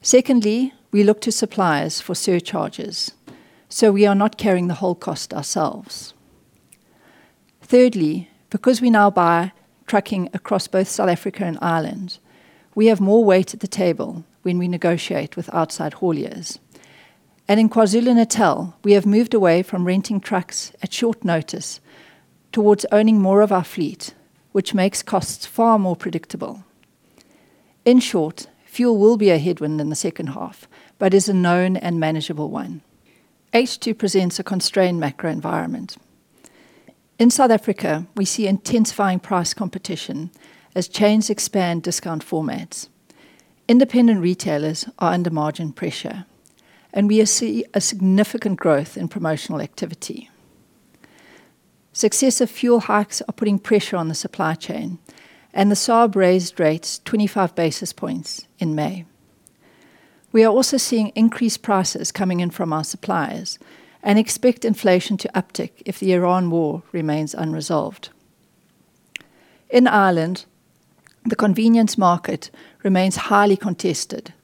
Secondly, we look to suppliers for surcharges, so we are not carrying the whole cost ourselves. Thirdly, because we now buy trucking across both South Africa and Ireland, we have more weight at the table when we negotiate with outside hauliers. In KwaZulu-Natal, we have moved away from renting trucks at short notice towards owning more of our fleet, which makes costs far more predictable. In short, fuel will be a headwind in the second half but is a known and manageable one. H2 presents a constrained macro environment. South Africa, we see intensifying price competition as chains expand discount formats. Independent retailers are under margin pressure, and we see a significant growth in promotional activity. Successive fuel hikes are putting pressure on the supply chain, and the SARB raised rates 25 basis points in May. We are also seeing increased prices coming in from our suppliers and expect inflation to uptick if the Iran war remains unresolved. Ireland, the convenience market remains highly contested.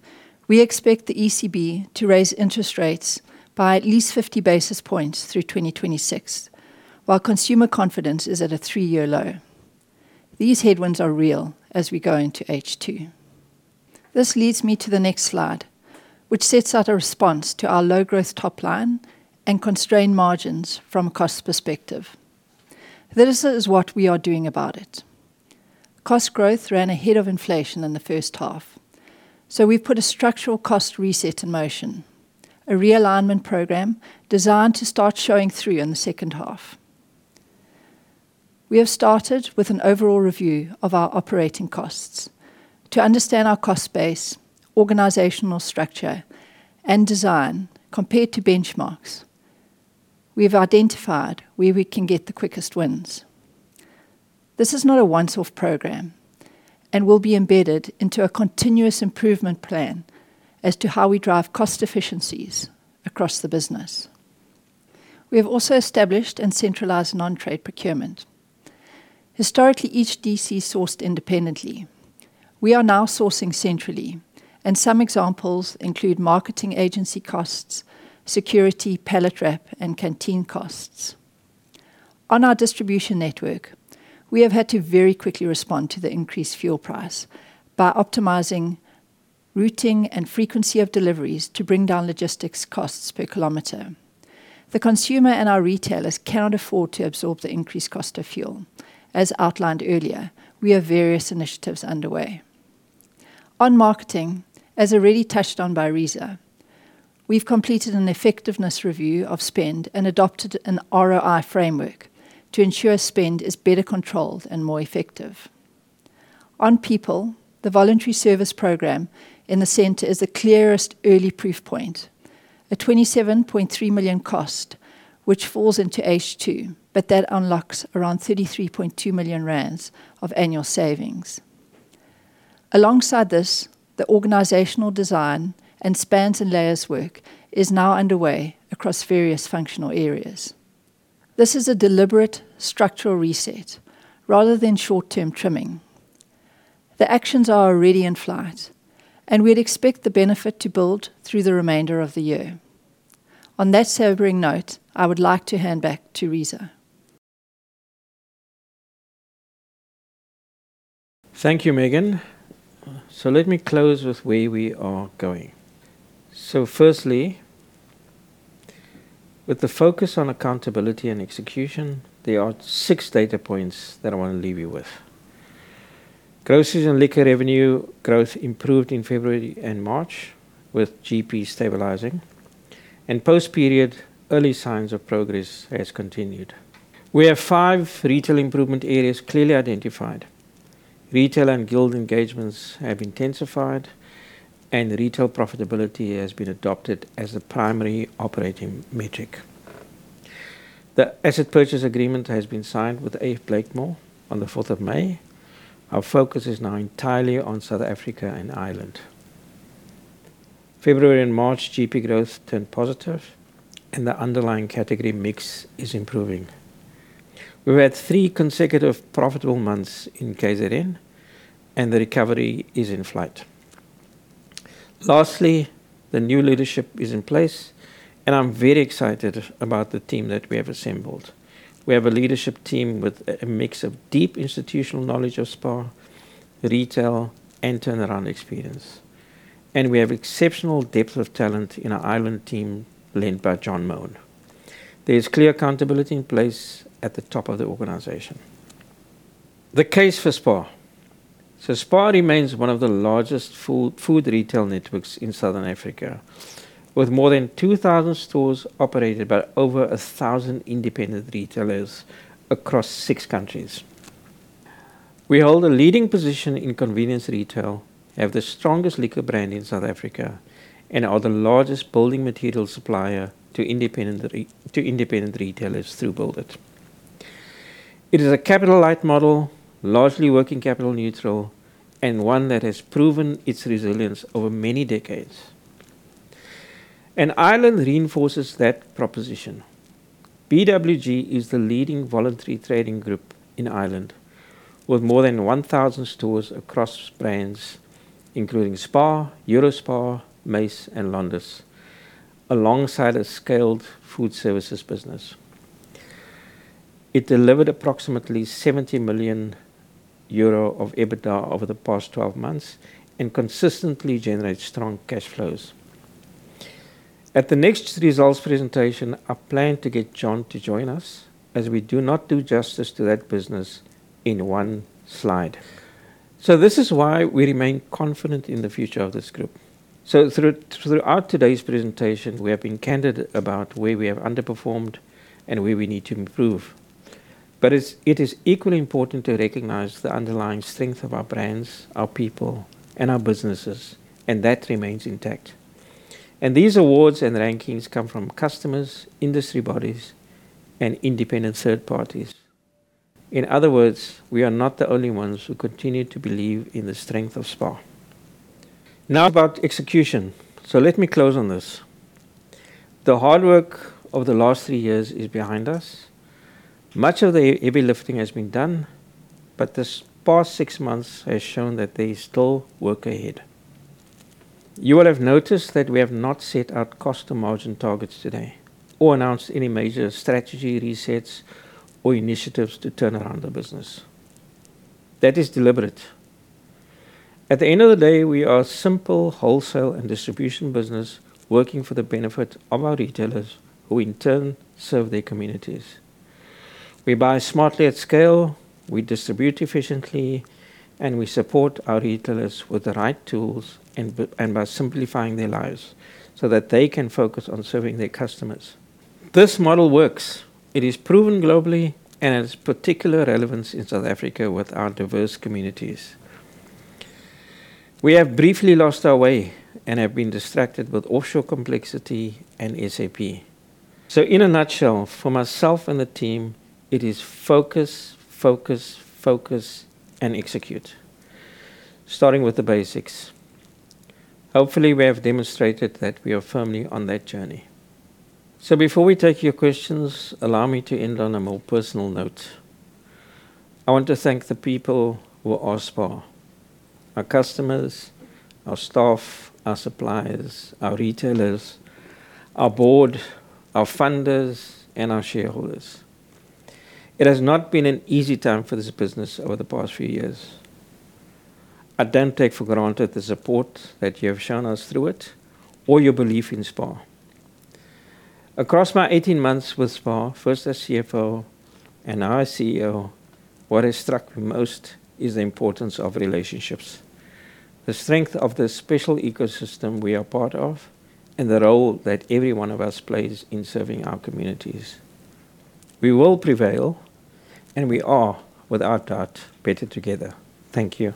We expect the ECB to raise interest rates by at least 50 basis points through 2026, while consumer confidence is at a three-year low. These headwinds are real as we go into H2. This leads me to the next slide, which sets out a response to our low growth top line and constrained margins from a cost perspective. This is what we are doing about it. Cost growth ran ahead of inflation in the first half, so we've put a structural cost reset in motion, a realignment program designed to start showing through in the second half. We have started with an overall review of our operating costs to understand our cost base, organizational structure, and design compared to benchmarks. We've identified where we can get the quickest wins. This is not a once-off program and will be embedded into a continuous improvement plan as to how we drive cost efficiencies across the business. We have also established and centralized non-trade procurement. Historically, each DC sourced independently. We are now sourcing centrally, and some examples include marketing agency costs, security, pallet wrap, and canteen costs. On our distribution network, we have had to very quickly respond to the increased fuel price by optimizing routing and frequency of deliveries to bring down logistics costs per kilometer. The consumer and our retailers cannot afford to absorb the increased cost of fuel. As outlined earlier, we have various initiatives underway. On marketing, as already touched on by Reeza, we've completed an effectiveness review of spend and adopted an ROI framework to ensure spend is better controlled and more effective. On people, the voluntary service program in the center is the clearest early proof point, a 27.3 million cost, which falls into H2, but that unlocks around 33.2 million rand of annual savings. Alongside this, the organizational design and spans and layers work is now underway across various functional areas. This is a deliberate structural reset rather than short-term trimming. The actions are already in flight, and we'd expect the benefit to build through the remainder of the year. On that sobering note, I would like to hand back to Reeza. Thank you, Megan. Let me close with where we are going. Firstly, with the focus on accountability and execution, there are six data points that I want to leave you with. Groceries and liquor revenue growth improved in February and March with GP stabilizing, and post-period early signs of progress has continued. We have five retail improvement areas clearly identified. Retail and Guild engagements have intensified, and retail profitability has been adopted as the primary operating metric. The asset purchase agreement has been signed with A.F. Blakemore on the May 4th. Our focus is now entirely on South Africa and Ireland. February and March GP growth turned positive, and the underlying category mix is improving. We've had three consecutive profitable months in KZN, and the recovery is in flight. Lastly, the new leadership is in place, and I'm very excited about the team that we have assembled. We have a leadership team with a mix of deep institutional knowledge of SPAR, retail, and turnaround experience, and we have exceptional depth of talent in our Ireland team led by John Moane. There is clear accountability in place at the top of the organization. The case for SPAR. SPAR remains one of the largest food retail networks in Southern Africa, with more than 2,000 stores operated by over 1,000 independent retailers across six countries. We hold a leading position in convenience retail, have the strongest liquor brand in South Africa, and are the largest building material supplier to independent retailers through Build it. It is a capital-light model, largely working capital neutral, and one that has proven its resilience over many decades. Ireland reinforces that proposition. BWG is the leading voluntary trading group in Ireland, with more than 1,000 stores across brands including SPAR, EUROSPAR, MACE and LONDIS, alongside a scaled food services business. It delivered approximately 70 million euro of EBITDA over the past 12 months and consistently generates strong cash flows. At the next results presentation, I plan to get John to join us, as we do not do justice to that business in one slide. This is why we remain confident in the future of this group. Throughout today's presentation, we have been candid about where we have underperformed and where we need to improve. It is equally important to recognize the underlying strength of our brands, our people, and our businesses, and that remains intact. These awards and rankings come from customers, industry bodies, and independent third parties. In other words, we are not the only ones who continue to believe in the strength of SPAR. Now about execution. Let me close on this. The hard work of the last three years is behind us. Much of the heavy lifting has been done, but this past six months has shown that there is still work ahead. You will have noticed that we have not set out cost or margin targets today or announced any major strategy resets or initiatives to turn around the business. That is deliberate. At the end of the day, we are a simple wholesale and distribution business working for the benefit of our retailers, who in turn serve their communities. We buy smartly at scale, we distribute efficiently, and we support our retailers with the right tools and by simplifying their lives so that they can focus on serving their customers. This model works. It is proven globally and has particular relevance in South Africa with our diverse communities. We have briefly lost our way and have been distracted with offshore complexity and SAP. In a nutshell, from myself and the team, it is focus, focus and execute, starting with the basics. Hopefully, we have demonstrated that we are firmly on that journey. Before we take your questions, allow me to end on a more personal note. I want to thank the people who are SPAR, our customers, our staff, our suppliers, our retailers, our board, our funders, and our shareholders. It has not been an easy time for this business over the past few years. I don't take for granted the support that you have shown us through it or your belief in SPAR. Across my 18 months with SPAR, first as CFO and now as CEO, what has struck me most is the importance of relationships, the strength of the special ecosystem we are part of, and the role that every one of us plays in serving our communities. We will prevail, and we are, without doubt, better together. Thank you.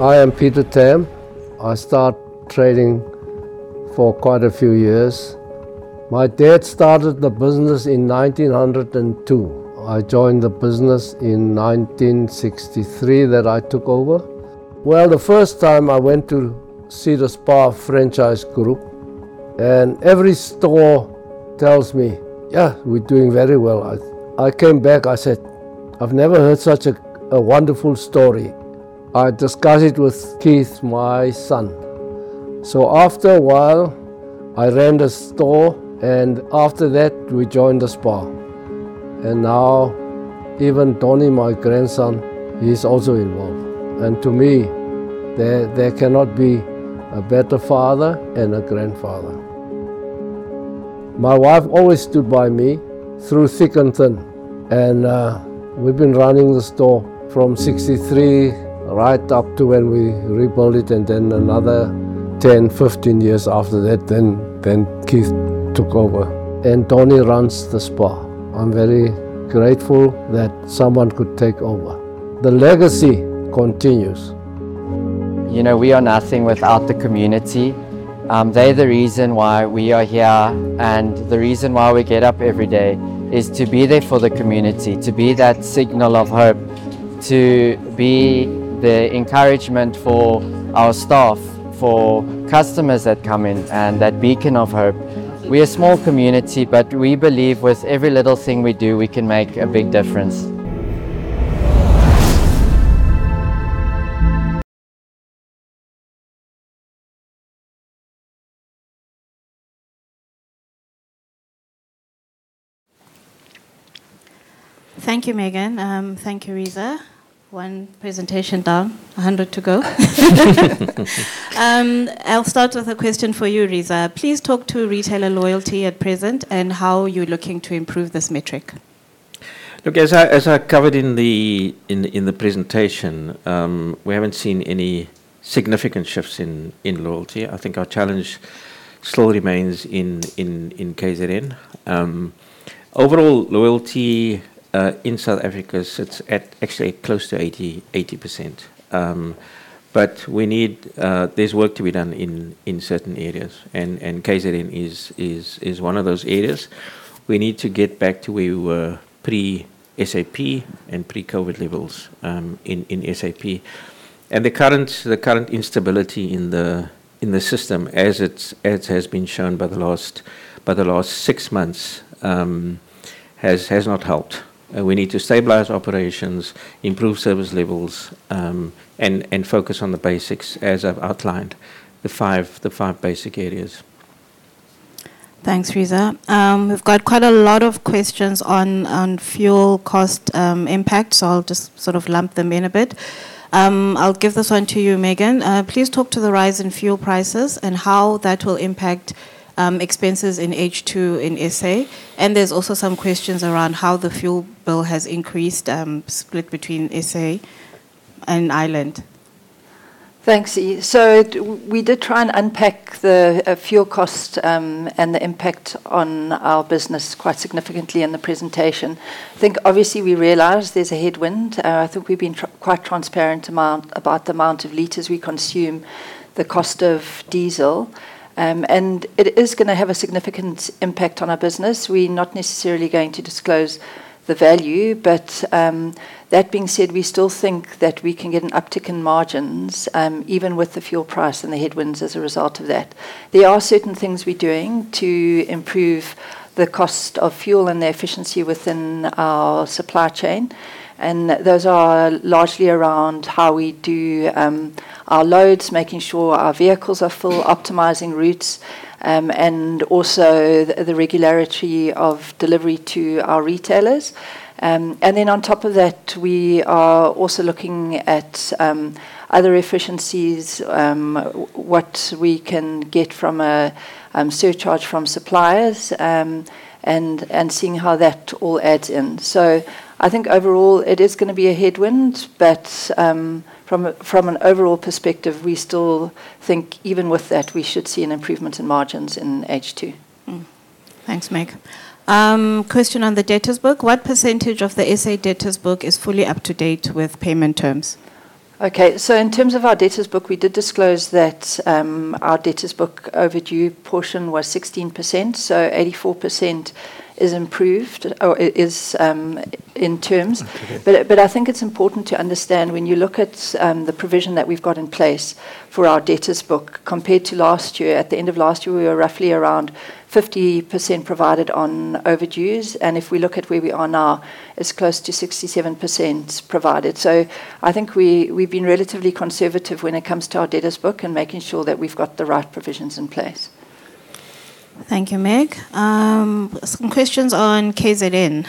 I am Peter Tam. I start trading for quite a few years. My dad started the business in 1902. I joined the business in 1963, that I took over. The first time I went to see the SPAR franchise group, and every store tells me, "Yeah, we're doing very well." I came back, I said, "I've never heard such a wonderful story." I discussed it with Keith, my son. After a while, I ran the store, and after that, we joined the SPAR. Now, even Tony, my grandson, he's also involved. To me, there cannot be a better father and a grandfather. My wife always stood by me through thick and thin, and we've been running the store from 1963 right up to when we rebuilt it, and then another 10, 15 years after that, then Keith took over, and Tony runs the SPAR. I'm very grateful that someone could take over. The legacy continues. We are nothing without the community. They're the reason why we are here, and the reason why we get up every day is to be there for the community, to be that signal of hope, to be the encouragement for our staff, for customers that come in, and that beacon of hope. We're a small community, but we believe with every little thing we do, we can make a big difference. Thank you, Megan. Thank you, Reeza. One presentation down, 100 to go. I'll start with a question for you, Reeza. Please talk to retailer loyalty at present and how you're looking to improve this metric. Look, as I covered in the presentation, we haven't seen any significant shifts in loyalty. I think our challenge still remains in KZN. Overall loyalty in South Africa sits at actually close to 80%. There's work to be done in certain areas, and KZN is one of those areas. We need to get back to where we were pre-SAP and pre-COVID levels in SAP. The current instability in the system as has been shown by the last six months, has not helped. We need to stabilize operations, improve service levels, and focus on the basics as I've outlined, the five basic areas. Thanks, Reeza. We've got quite a lot of questions on fuel cost impact. I'll just sort of lump them in a bit. I'll give this one to you, Megan. Please talk to the rise in fuel prices and how that will impact expenses in H2 in S.A. There's also some questions around how the fuel bill has increased, split between S.A. and Ireland. Thanks. We did try and unpack the fuel cost, and the impact on our business quite significantly in the presentation. I think obviously we realize there's a headwind. I think we've been quite transparent about the amount of liters we consume, the cost of diesel. It is going to have a significant impact on our business. We're not necessarily going to disclose the value. That being said, we still think that we can get an uptick in margins, even with the fuel price and the headwinds as a result of that. There are certain things we're doing to improve the cost of fuel and the efficiency within our supply chain, and those are largely around how we do our loads, making sure our vehicles are full, optimizing routes, and also the regularity of delivery to our retailers. On top of that, we are also looking at other efficiencies, what we can get from a surcharge from suppliers, and seeing how that all adds in. I think overall it is going to be a headwind. From an overall perspective, we still think even with that, we should see an improvement in margins in H2. Thanks, Meg. Question on the debtors book. What percentage of the S.A. debtors book is fully up to date with payment terms? Okay. In terms of our debtors book, we did disclose that our debtors book overdue portion was 16%. 84% is improved, or is in terms. I think it's important to understand when you look at the provision that we've got in place for our debtors book compared to last year. At the end of last year, we were roughly around 50% provided on overdues, and if we look at where we are now, it's close to 67% provided. I think we've been relatively conservative when it comes to our debtors book and making sure that we've got the right provisions in place. Thank you, Meg. Some questions on KZN.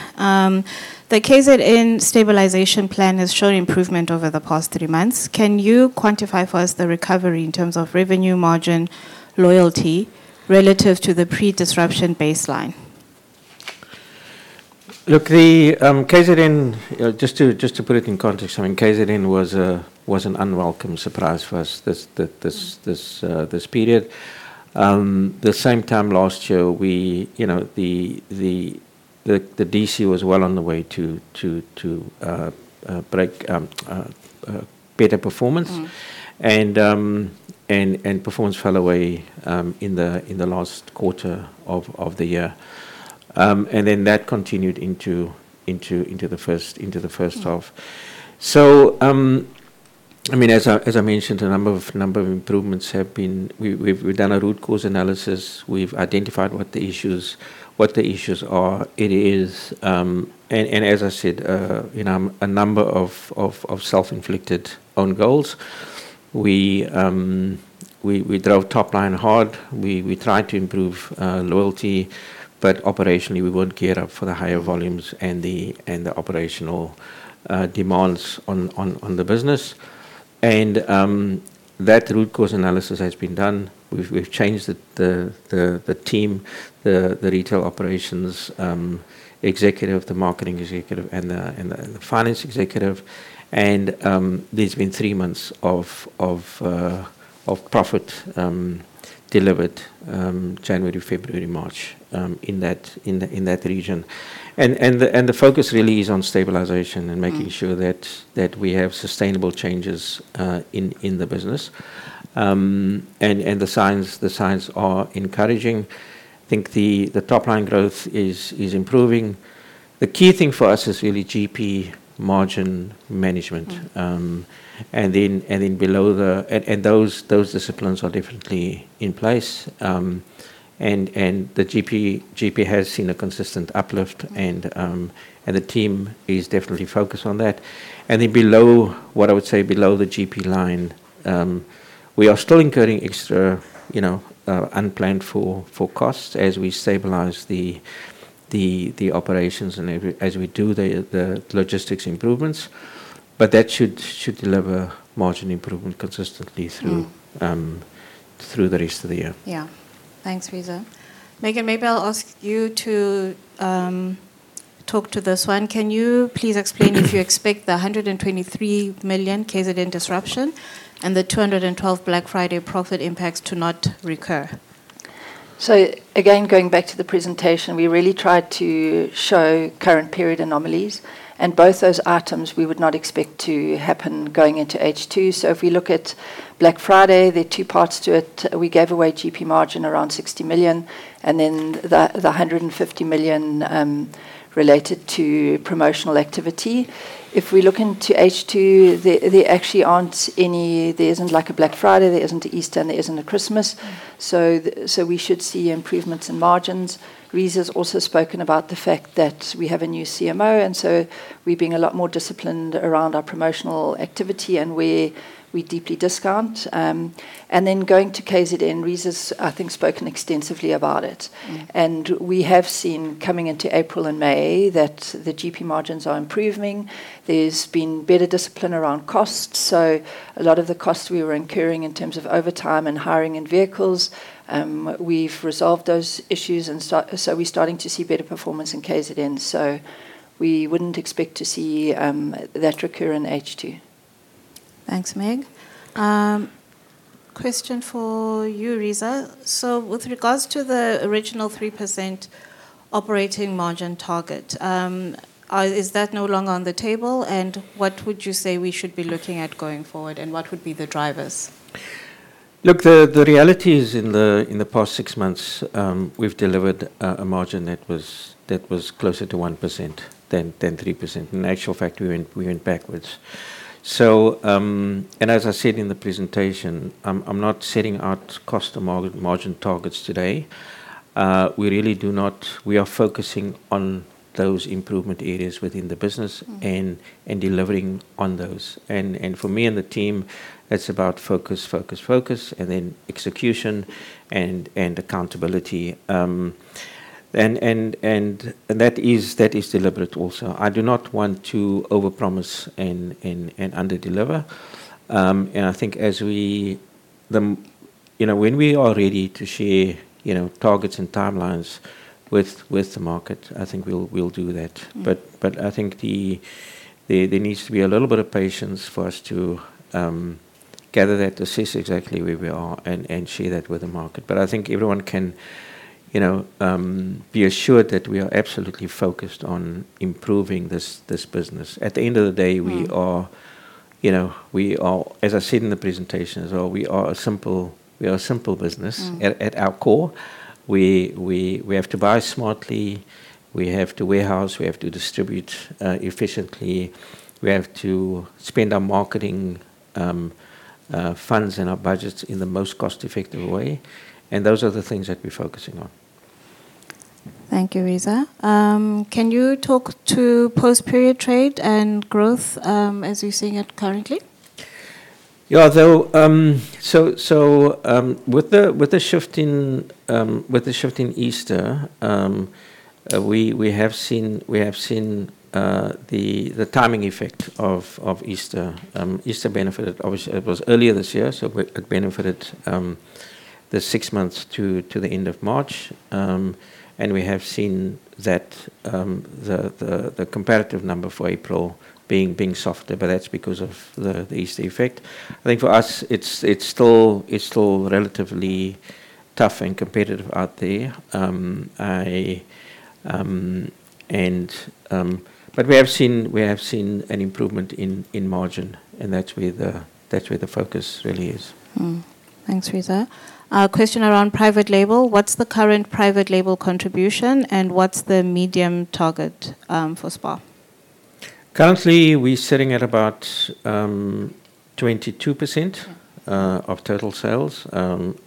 The KZN stabilization plan has shown improvement over the past three months. Can you quantify for us the recovery in terms of revenue margin loyalty relative to the pre-disruption baseline? Look, the KZN, just to put it in context, KZN was an unwelcome surprise for us this period. The same time last year, the DC was well on the way to break better performance. Performance fell away in the last quarter of the year. That continued into the first half. As I mentioned, a number of improvements have been. We've done a root cause analysis. We've identified what the issues are. As I said, a number of self-inflicted own goals. We drove top line hard. We tried to improve loyalty, but operationally, we weren't geared up for the higher volumes and the operational demands on the business. That root cause analysis has been done. We've changed the team, the retail operations executive, the marketing executive, and the finance executive. There's been three months of profit delivered, January, February, March, in that region. The focus really is on stabilization and making sure that we have sustainable changes in the business. The signs are encouraging. I think the top line growth is improving. The key thing for us is really GP margin management. Those disciplines are definitely in place. The GP has seen a consistent uplift, and the team is definitely focused on that. Below what I would say below the GP line, we are still incurring extra unplanned for costs as we stabilize the operations and as we do the logistics improvements, but that should deliver margin improvement consistently through the rest of the year. Yeah. Thanks, Reeza. Megan, maybe I'll ask you to talk to this one. Can you please explain if you expect the 123 million KZN disruption and the 212 Black Friday profit impacts to not recur? Again, going back to the presentation, we really tried to show current period anomalies, and both those items we would not expect to happen going into H2. If we look at Black Friday, there are two parts to it. We gave away GP margin around 60 million, and then the 150 million related to promotional activity. If we look into H2, there isn't a Black Friday, there isn't an Easter, and there isn't a Christmas, so we should see improvements in margins. Reeza's also spoken about the fact that we have a new CMO, so we're being a lot more disciplined around our promotional activity and where we deeply discount. Going to KZN, Reeza's, I think, spoken extensively about it. We have seen coming into April and May that the GP margins are improving. There's been better discipline around costs. A lot of the costs we were incurring in terms of overtime and hiring and vehicles, we've resolved those issues. We're starting to see better performance in KZN. We wouldn't expect to see that recur in H2. Thanks, Meg. Question for you, Reeza. With regards to the original 3% operating margin target, is that no longer on the table? What would you say we should be looking at going forward, and what would be the drivers? Look, the reality is in the past six months, we've delivered a margin that was closer to 1% than 3%. In actual fact, we went backwards. As I said in the presentation, I'm not setting out cost margin targets today. We are focusing on those improvement areas within the business and delivering on those. For me and the team, it's about focus, focus, and then execution and accountability. That is deliberate also. I do not want to overpromise and underdeliver. I think when we are ready to share targets and timelines with the market, I think we'll do that. I think there needs to be a little bit of patience for us to gather that, assess exactly where we are, and share that with the market. I think everyone can be assured that we are absolutely focused on improving this business. At the end of the day- As I said in the presentation as well, we are a simple business at our core. We have to buy smartly. We have to warehouse. We have to distribute efficiently. We have to spend our marketing funds and our budgets in the most cost-effective way. Those are the things that we're focusing on. Thank you, Reeza. Can you talk to post-period trade and growth as you're seeing it currently? With the shift in Easter, we have seen the timing effect of Easter. Easter obviously was earlier this year, so it benefited the six months to the end of March. We have seen the comparative number for April being softer, that's because of the Easter effect. I think for us, it's still relatively tough and competitive out there. We have seen an improvement in margin, and that's where the focus really is. Thanks, Reeza. A question around private label: What's the current private label contribution, and what's the medium target for SPAR? Currently, we're sitting at about 22% of total sales.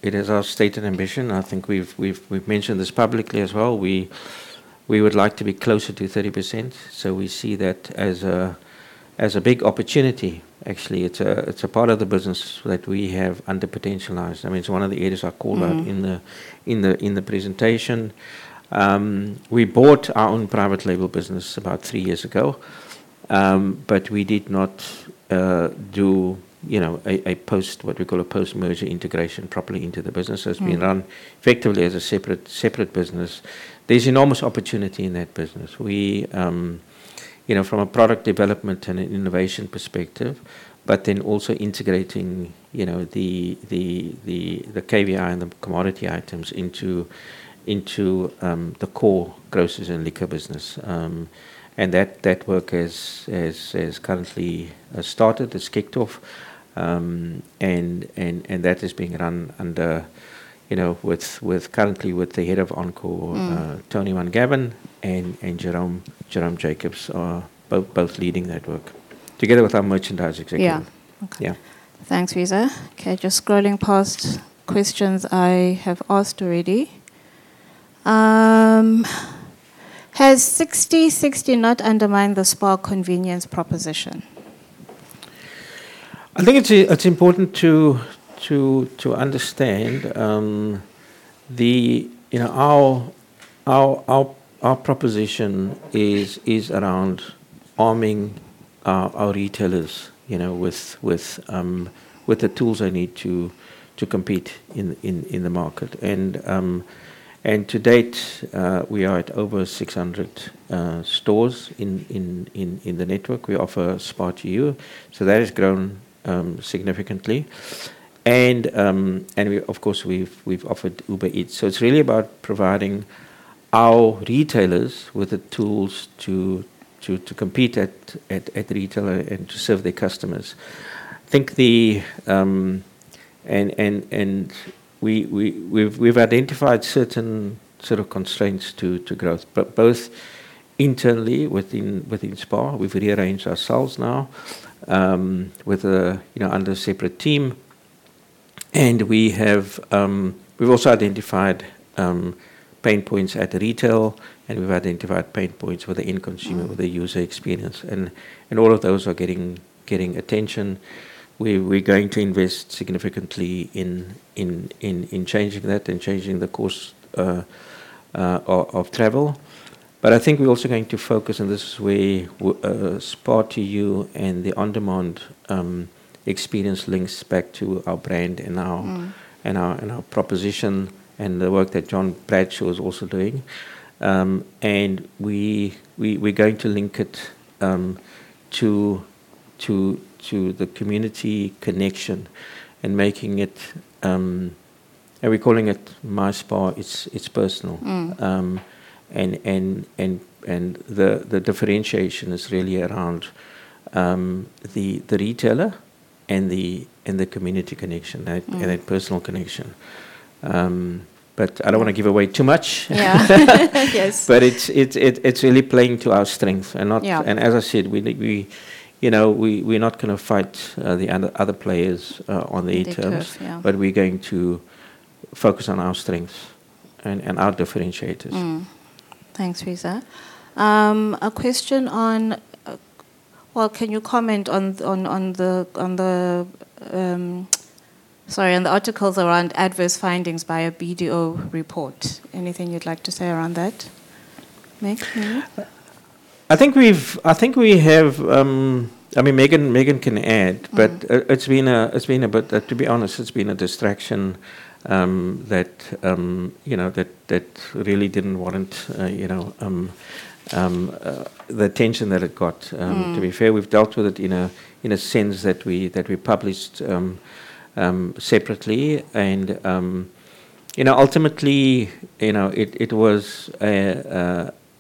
It is our stated ambition, I think we've mentioned this publicly as well, we would like to be closer to 30%. We see that as a big opportunity, actually. It's a part of the business that we have underpotentialized. I mean, it's one of the areas I called out- In the presentation. We bought our own private label business about three years ago. We did not do what we call a post-merger integration properly into the business. It's been run effectively as a separate business. There's enormous opportunity in that business from a product development and an innovation perspective, also integrating the KVI and the commodity items into the core groceries and liquor business. That work has currently started. It's kicked off. That is being run currently with the head of Encore- Tony Mun-Gavin and Jerome Jacobs are both leading that work together with our merchandise executive. Yeah. Okay. Yeah. Thanks, Reeza. Just scrolling past questions I have asked already. Has Sixty60 not undermined the SPAR convenience proposition? I think it's important to understand our proposition is around arming our retailers with the tools they need to compete in the market. To date, we are at over 600 stores in the network. We offer SPAR2U, so that has grown significantly. Of course, we've offered Uber Eats. It's really about providing our retailers with the tools to compete at retail and to serve their customers. We've identified certain sort of constraints to growth, both internally within SPAR, we've rearranged ourselves now under a separate team. We've also identified pain points at retail, and we've identified pain points for the end consumer, the user experience. All of those are getting attention. We're going to invest significantly in changing that and changing the course of travel. I think we're also going to focus, this is where SPAR2U and the on-demand experience links back to our brand and our proposition and the work that John Bradshaw is also doing. We're going to link it to the community connection and we're calling it My SPAR, it's personal. The differentiation is really around the retailer and the community connection, that personal connection. I don't want to give away too much. Yeah. Yes. It's really playing to our strength. Yeah. As I said, we're not going to fight the other players on their terms. Yeah. We're going to focus on our strengths and our differentiators. Thanks, Reeza. A question on, well, can you comment on the, sorry, on the articles around adverse findings by a BDO report. Anything you'd like to say around that, Meg, maybe? I think we have, I mean, Megan can add, to be honest, it's been a distraction that really didn't warrant the attention that it got. To be fair, we've dealt with it in a sense that we published separately and ultimately, it was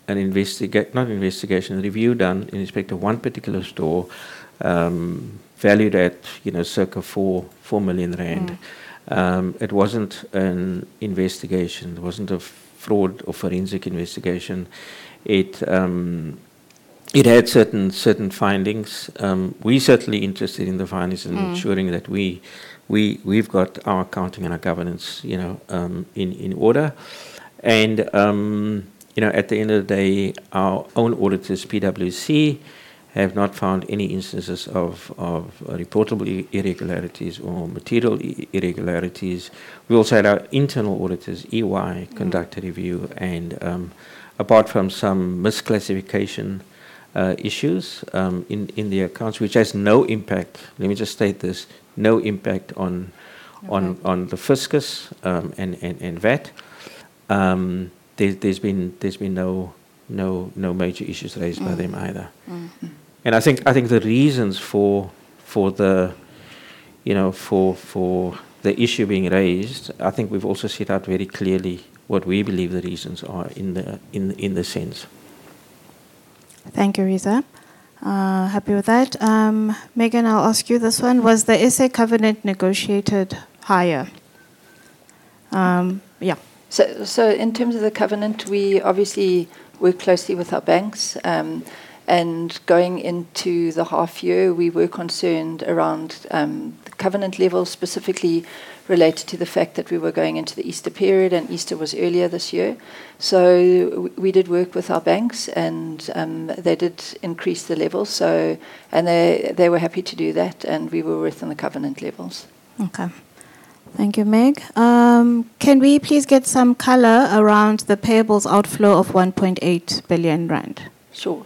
an investigation, a review done in respect to one particular store, valued at circa 4 million rand. It wasn't an investigation, it wasn't a fraud or forensic investigation. It had certain findings. We're certainly interested in the findings and ensuring that we've got our accounting and our governance in order. At the end of the day, our own auditors, PwC, have not found any instances of reportable irregularities or material irregularities. We also had our internal auditors, EY, conduct a review, and apart from some misclassification issues in the accounts, which has no impact, let me just state this, no impact on the fiscus and VAT. There's been no major issues raised by them either. I think the reasons for the issue being raised, I think we've also set out very clearly what we believe the reasons are in the sense. Thank you, Reeza. Happy with that. Megan, I'll ask you this one. Was the S.A. covenant negotiated higher? Yeah. In terms of the covenant, we obviously work closely with our banks, and going into the half year, we were concerned around the covenant levels, specifically related to the fact that we were going into the Easter period, and Easter was earlier this year. We did work with our banks, and they did increase the level, and they were happy to do that, and we were within the covenant levels. Okay. Thank you, Meg. Can we please get some color around the payables outflow of 1.8 billion rand? Sure.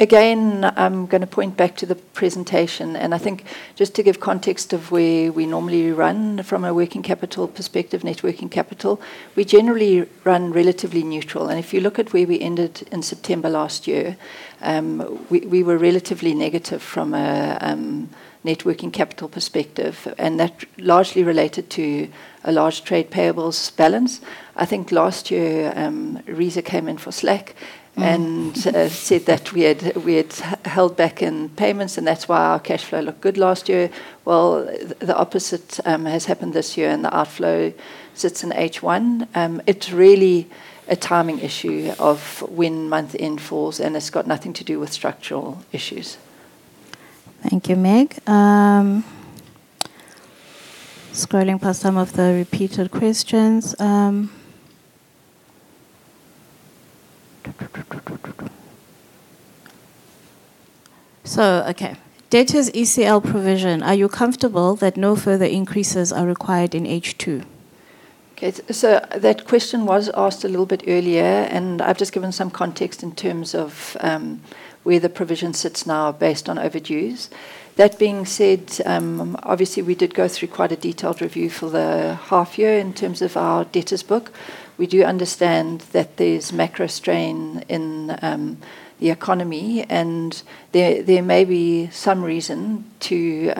Again, I'm going to point back to the presentation, I think just to give context of where we normally run from a working capital perspective, net working capital, we generally run relatively neutral. If you look at where we ended in September last year, we were relatively negative from a networking capital perspective, that largely related to a large trade payables balance. I think last year, Reeza came in for Slack and said that we had held back in payments, and that's why our cash flow looked good last year. The opposite has happened this year, The outflow sits in H1. It's really a timing issue of when month end falls, and it's got nothing to do with structural issues. Thank you, Meg. Scrolling past some of the repeated questions. Okay. Debtors ECL provision, are you comfortable that no further increases are required in H2? Okay. That question was asked a little bit earlier, I've just given some context in terms of where the provision sits now based on overdues. That being said, obviously we did go through quite a detailed review for the half year in terms of our debtors book. We do understand that there's macro strain in the economy, There may be some reason to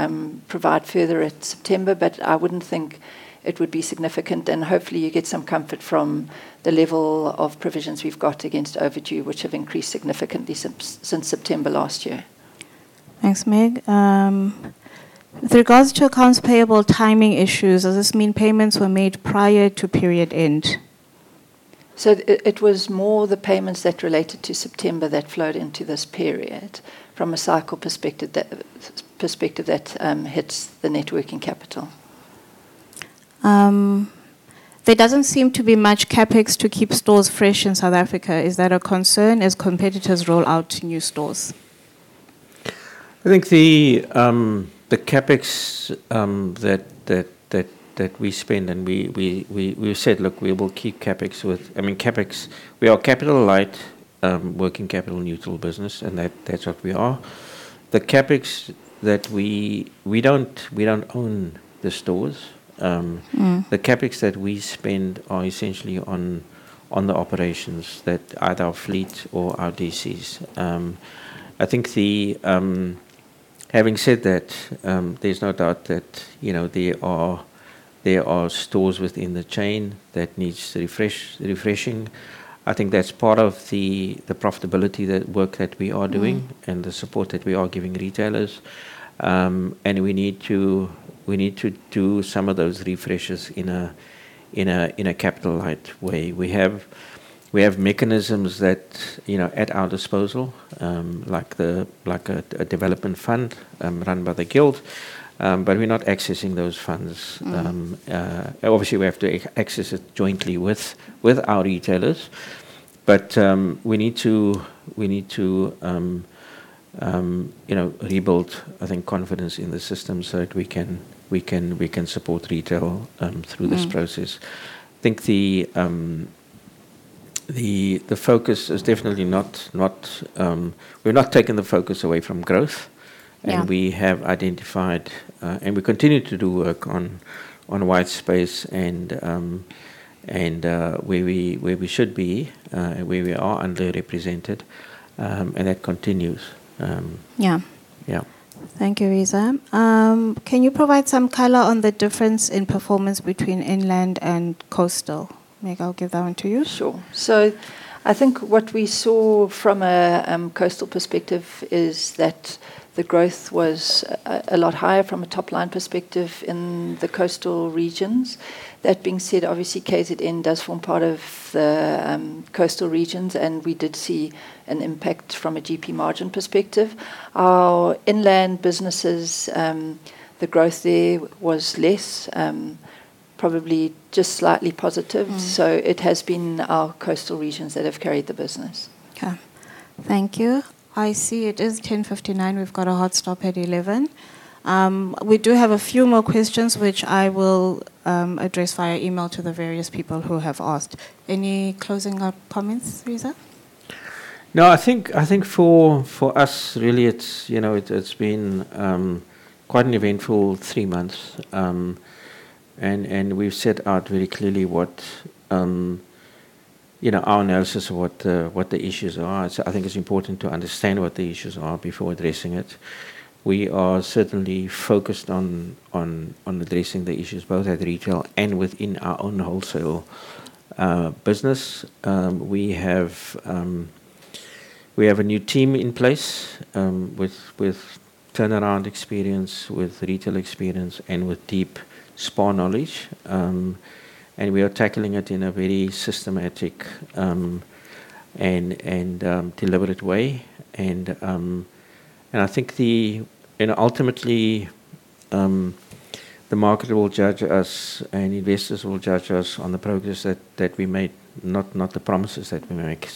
provide further at September, I wouldn't think it would be significant. Hopefully you get some comfort from the level of provisions we've got against overdue, which have increased significantly since September last year. Thanks, Meg. With regards to accounts payable timing issues, does this mean payments were made prior to period end? It was more the payments that related to September that flowed into this period from a cycle perspective that hits the net working capital. There doesn't seem to be much CapEx to keep stores fresh in South Africa. Is that a concern as competitors roll out new stores? I think the CapEx that we spend, and we've said, look, we are capital light, working capital neutral business, and that's what we are. We don't own the stores. The CapEx that we spend are essentially on the operations that either our fleet or our DCs. Having said that, there's no doubt that there are stores within the chain that needs refreshing. I think that's part of the profitability work that we are doing. The support that we are giving retailers. We need to do some of those refreshes in a capital light way. We have mechanisms that, at our disposal, like a development fund, run by the Guild, we're not accessing those funds. Obviously, we have to access it jointly with our retailers, we need to rebuild, I think, confidence in the system so that we can support retail, through this process. I think the focus is definitely not. We're not taking the focus away from growth. Yeah. We have identified, and we continue to do work on white space and where we should be, where we are underrepresented, and that continues. Yeah. Yeah. Thank you, Reeza. Can you provide some color on the difference in performance between inland and coastal? Meg, I'll give that one to you. Sure. I think what we saw from a coastal perspective is that the growth was a lot higher from a top-line perspective in the coastal regions. That being said, obviously KZN does form part of the coastal regions, and we did see an impact from a GP margin perspective. Our inland businesses, the growth there was less, probably just slightly positive. It has been our coastal regions that have carried the business. Okay. Thank you. I see it is 10:59 A.M. We've got a hard stop at 11:00 A.M. We do have a few more questions which I will address via email to the various people who have asked. Any closing up comments, Reeza? No, I think for us really, it's been quite an eventful three months. We've set out very clearly our analysis of what the issues are. I think it's important to understand what the issues are before addressing it. We are certainly focused on addressing the issues both at retail and within our own wholesale business. We have a new team in place, with turnaround experience, with retail experience, and with deep SPAR knowledge. We are tackling it in a very systematic and deliberate way. I think ultimately, the market will judge us and investors will judge us on the progress that we make, not the promises that we make.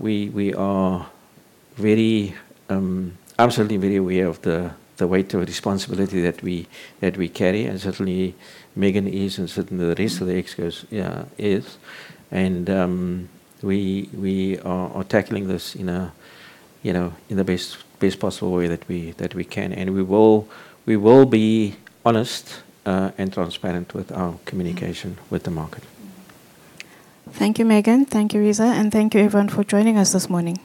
We are absolutely very aware of the weight of responsibility that we carry and certainly Megan is, and certainly the rest of the exco is. We are tackling this in the best possible way that we can. We will be honest and transparent with our communication with the market. Thank you, Megan. Thank you, Reeza. Thank you everyone for joining us this morning.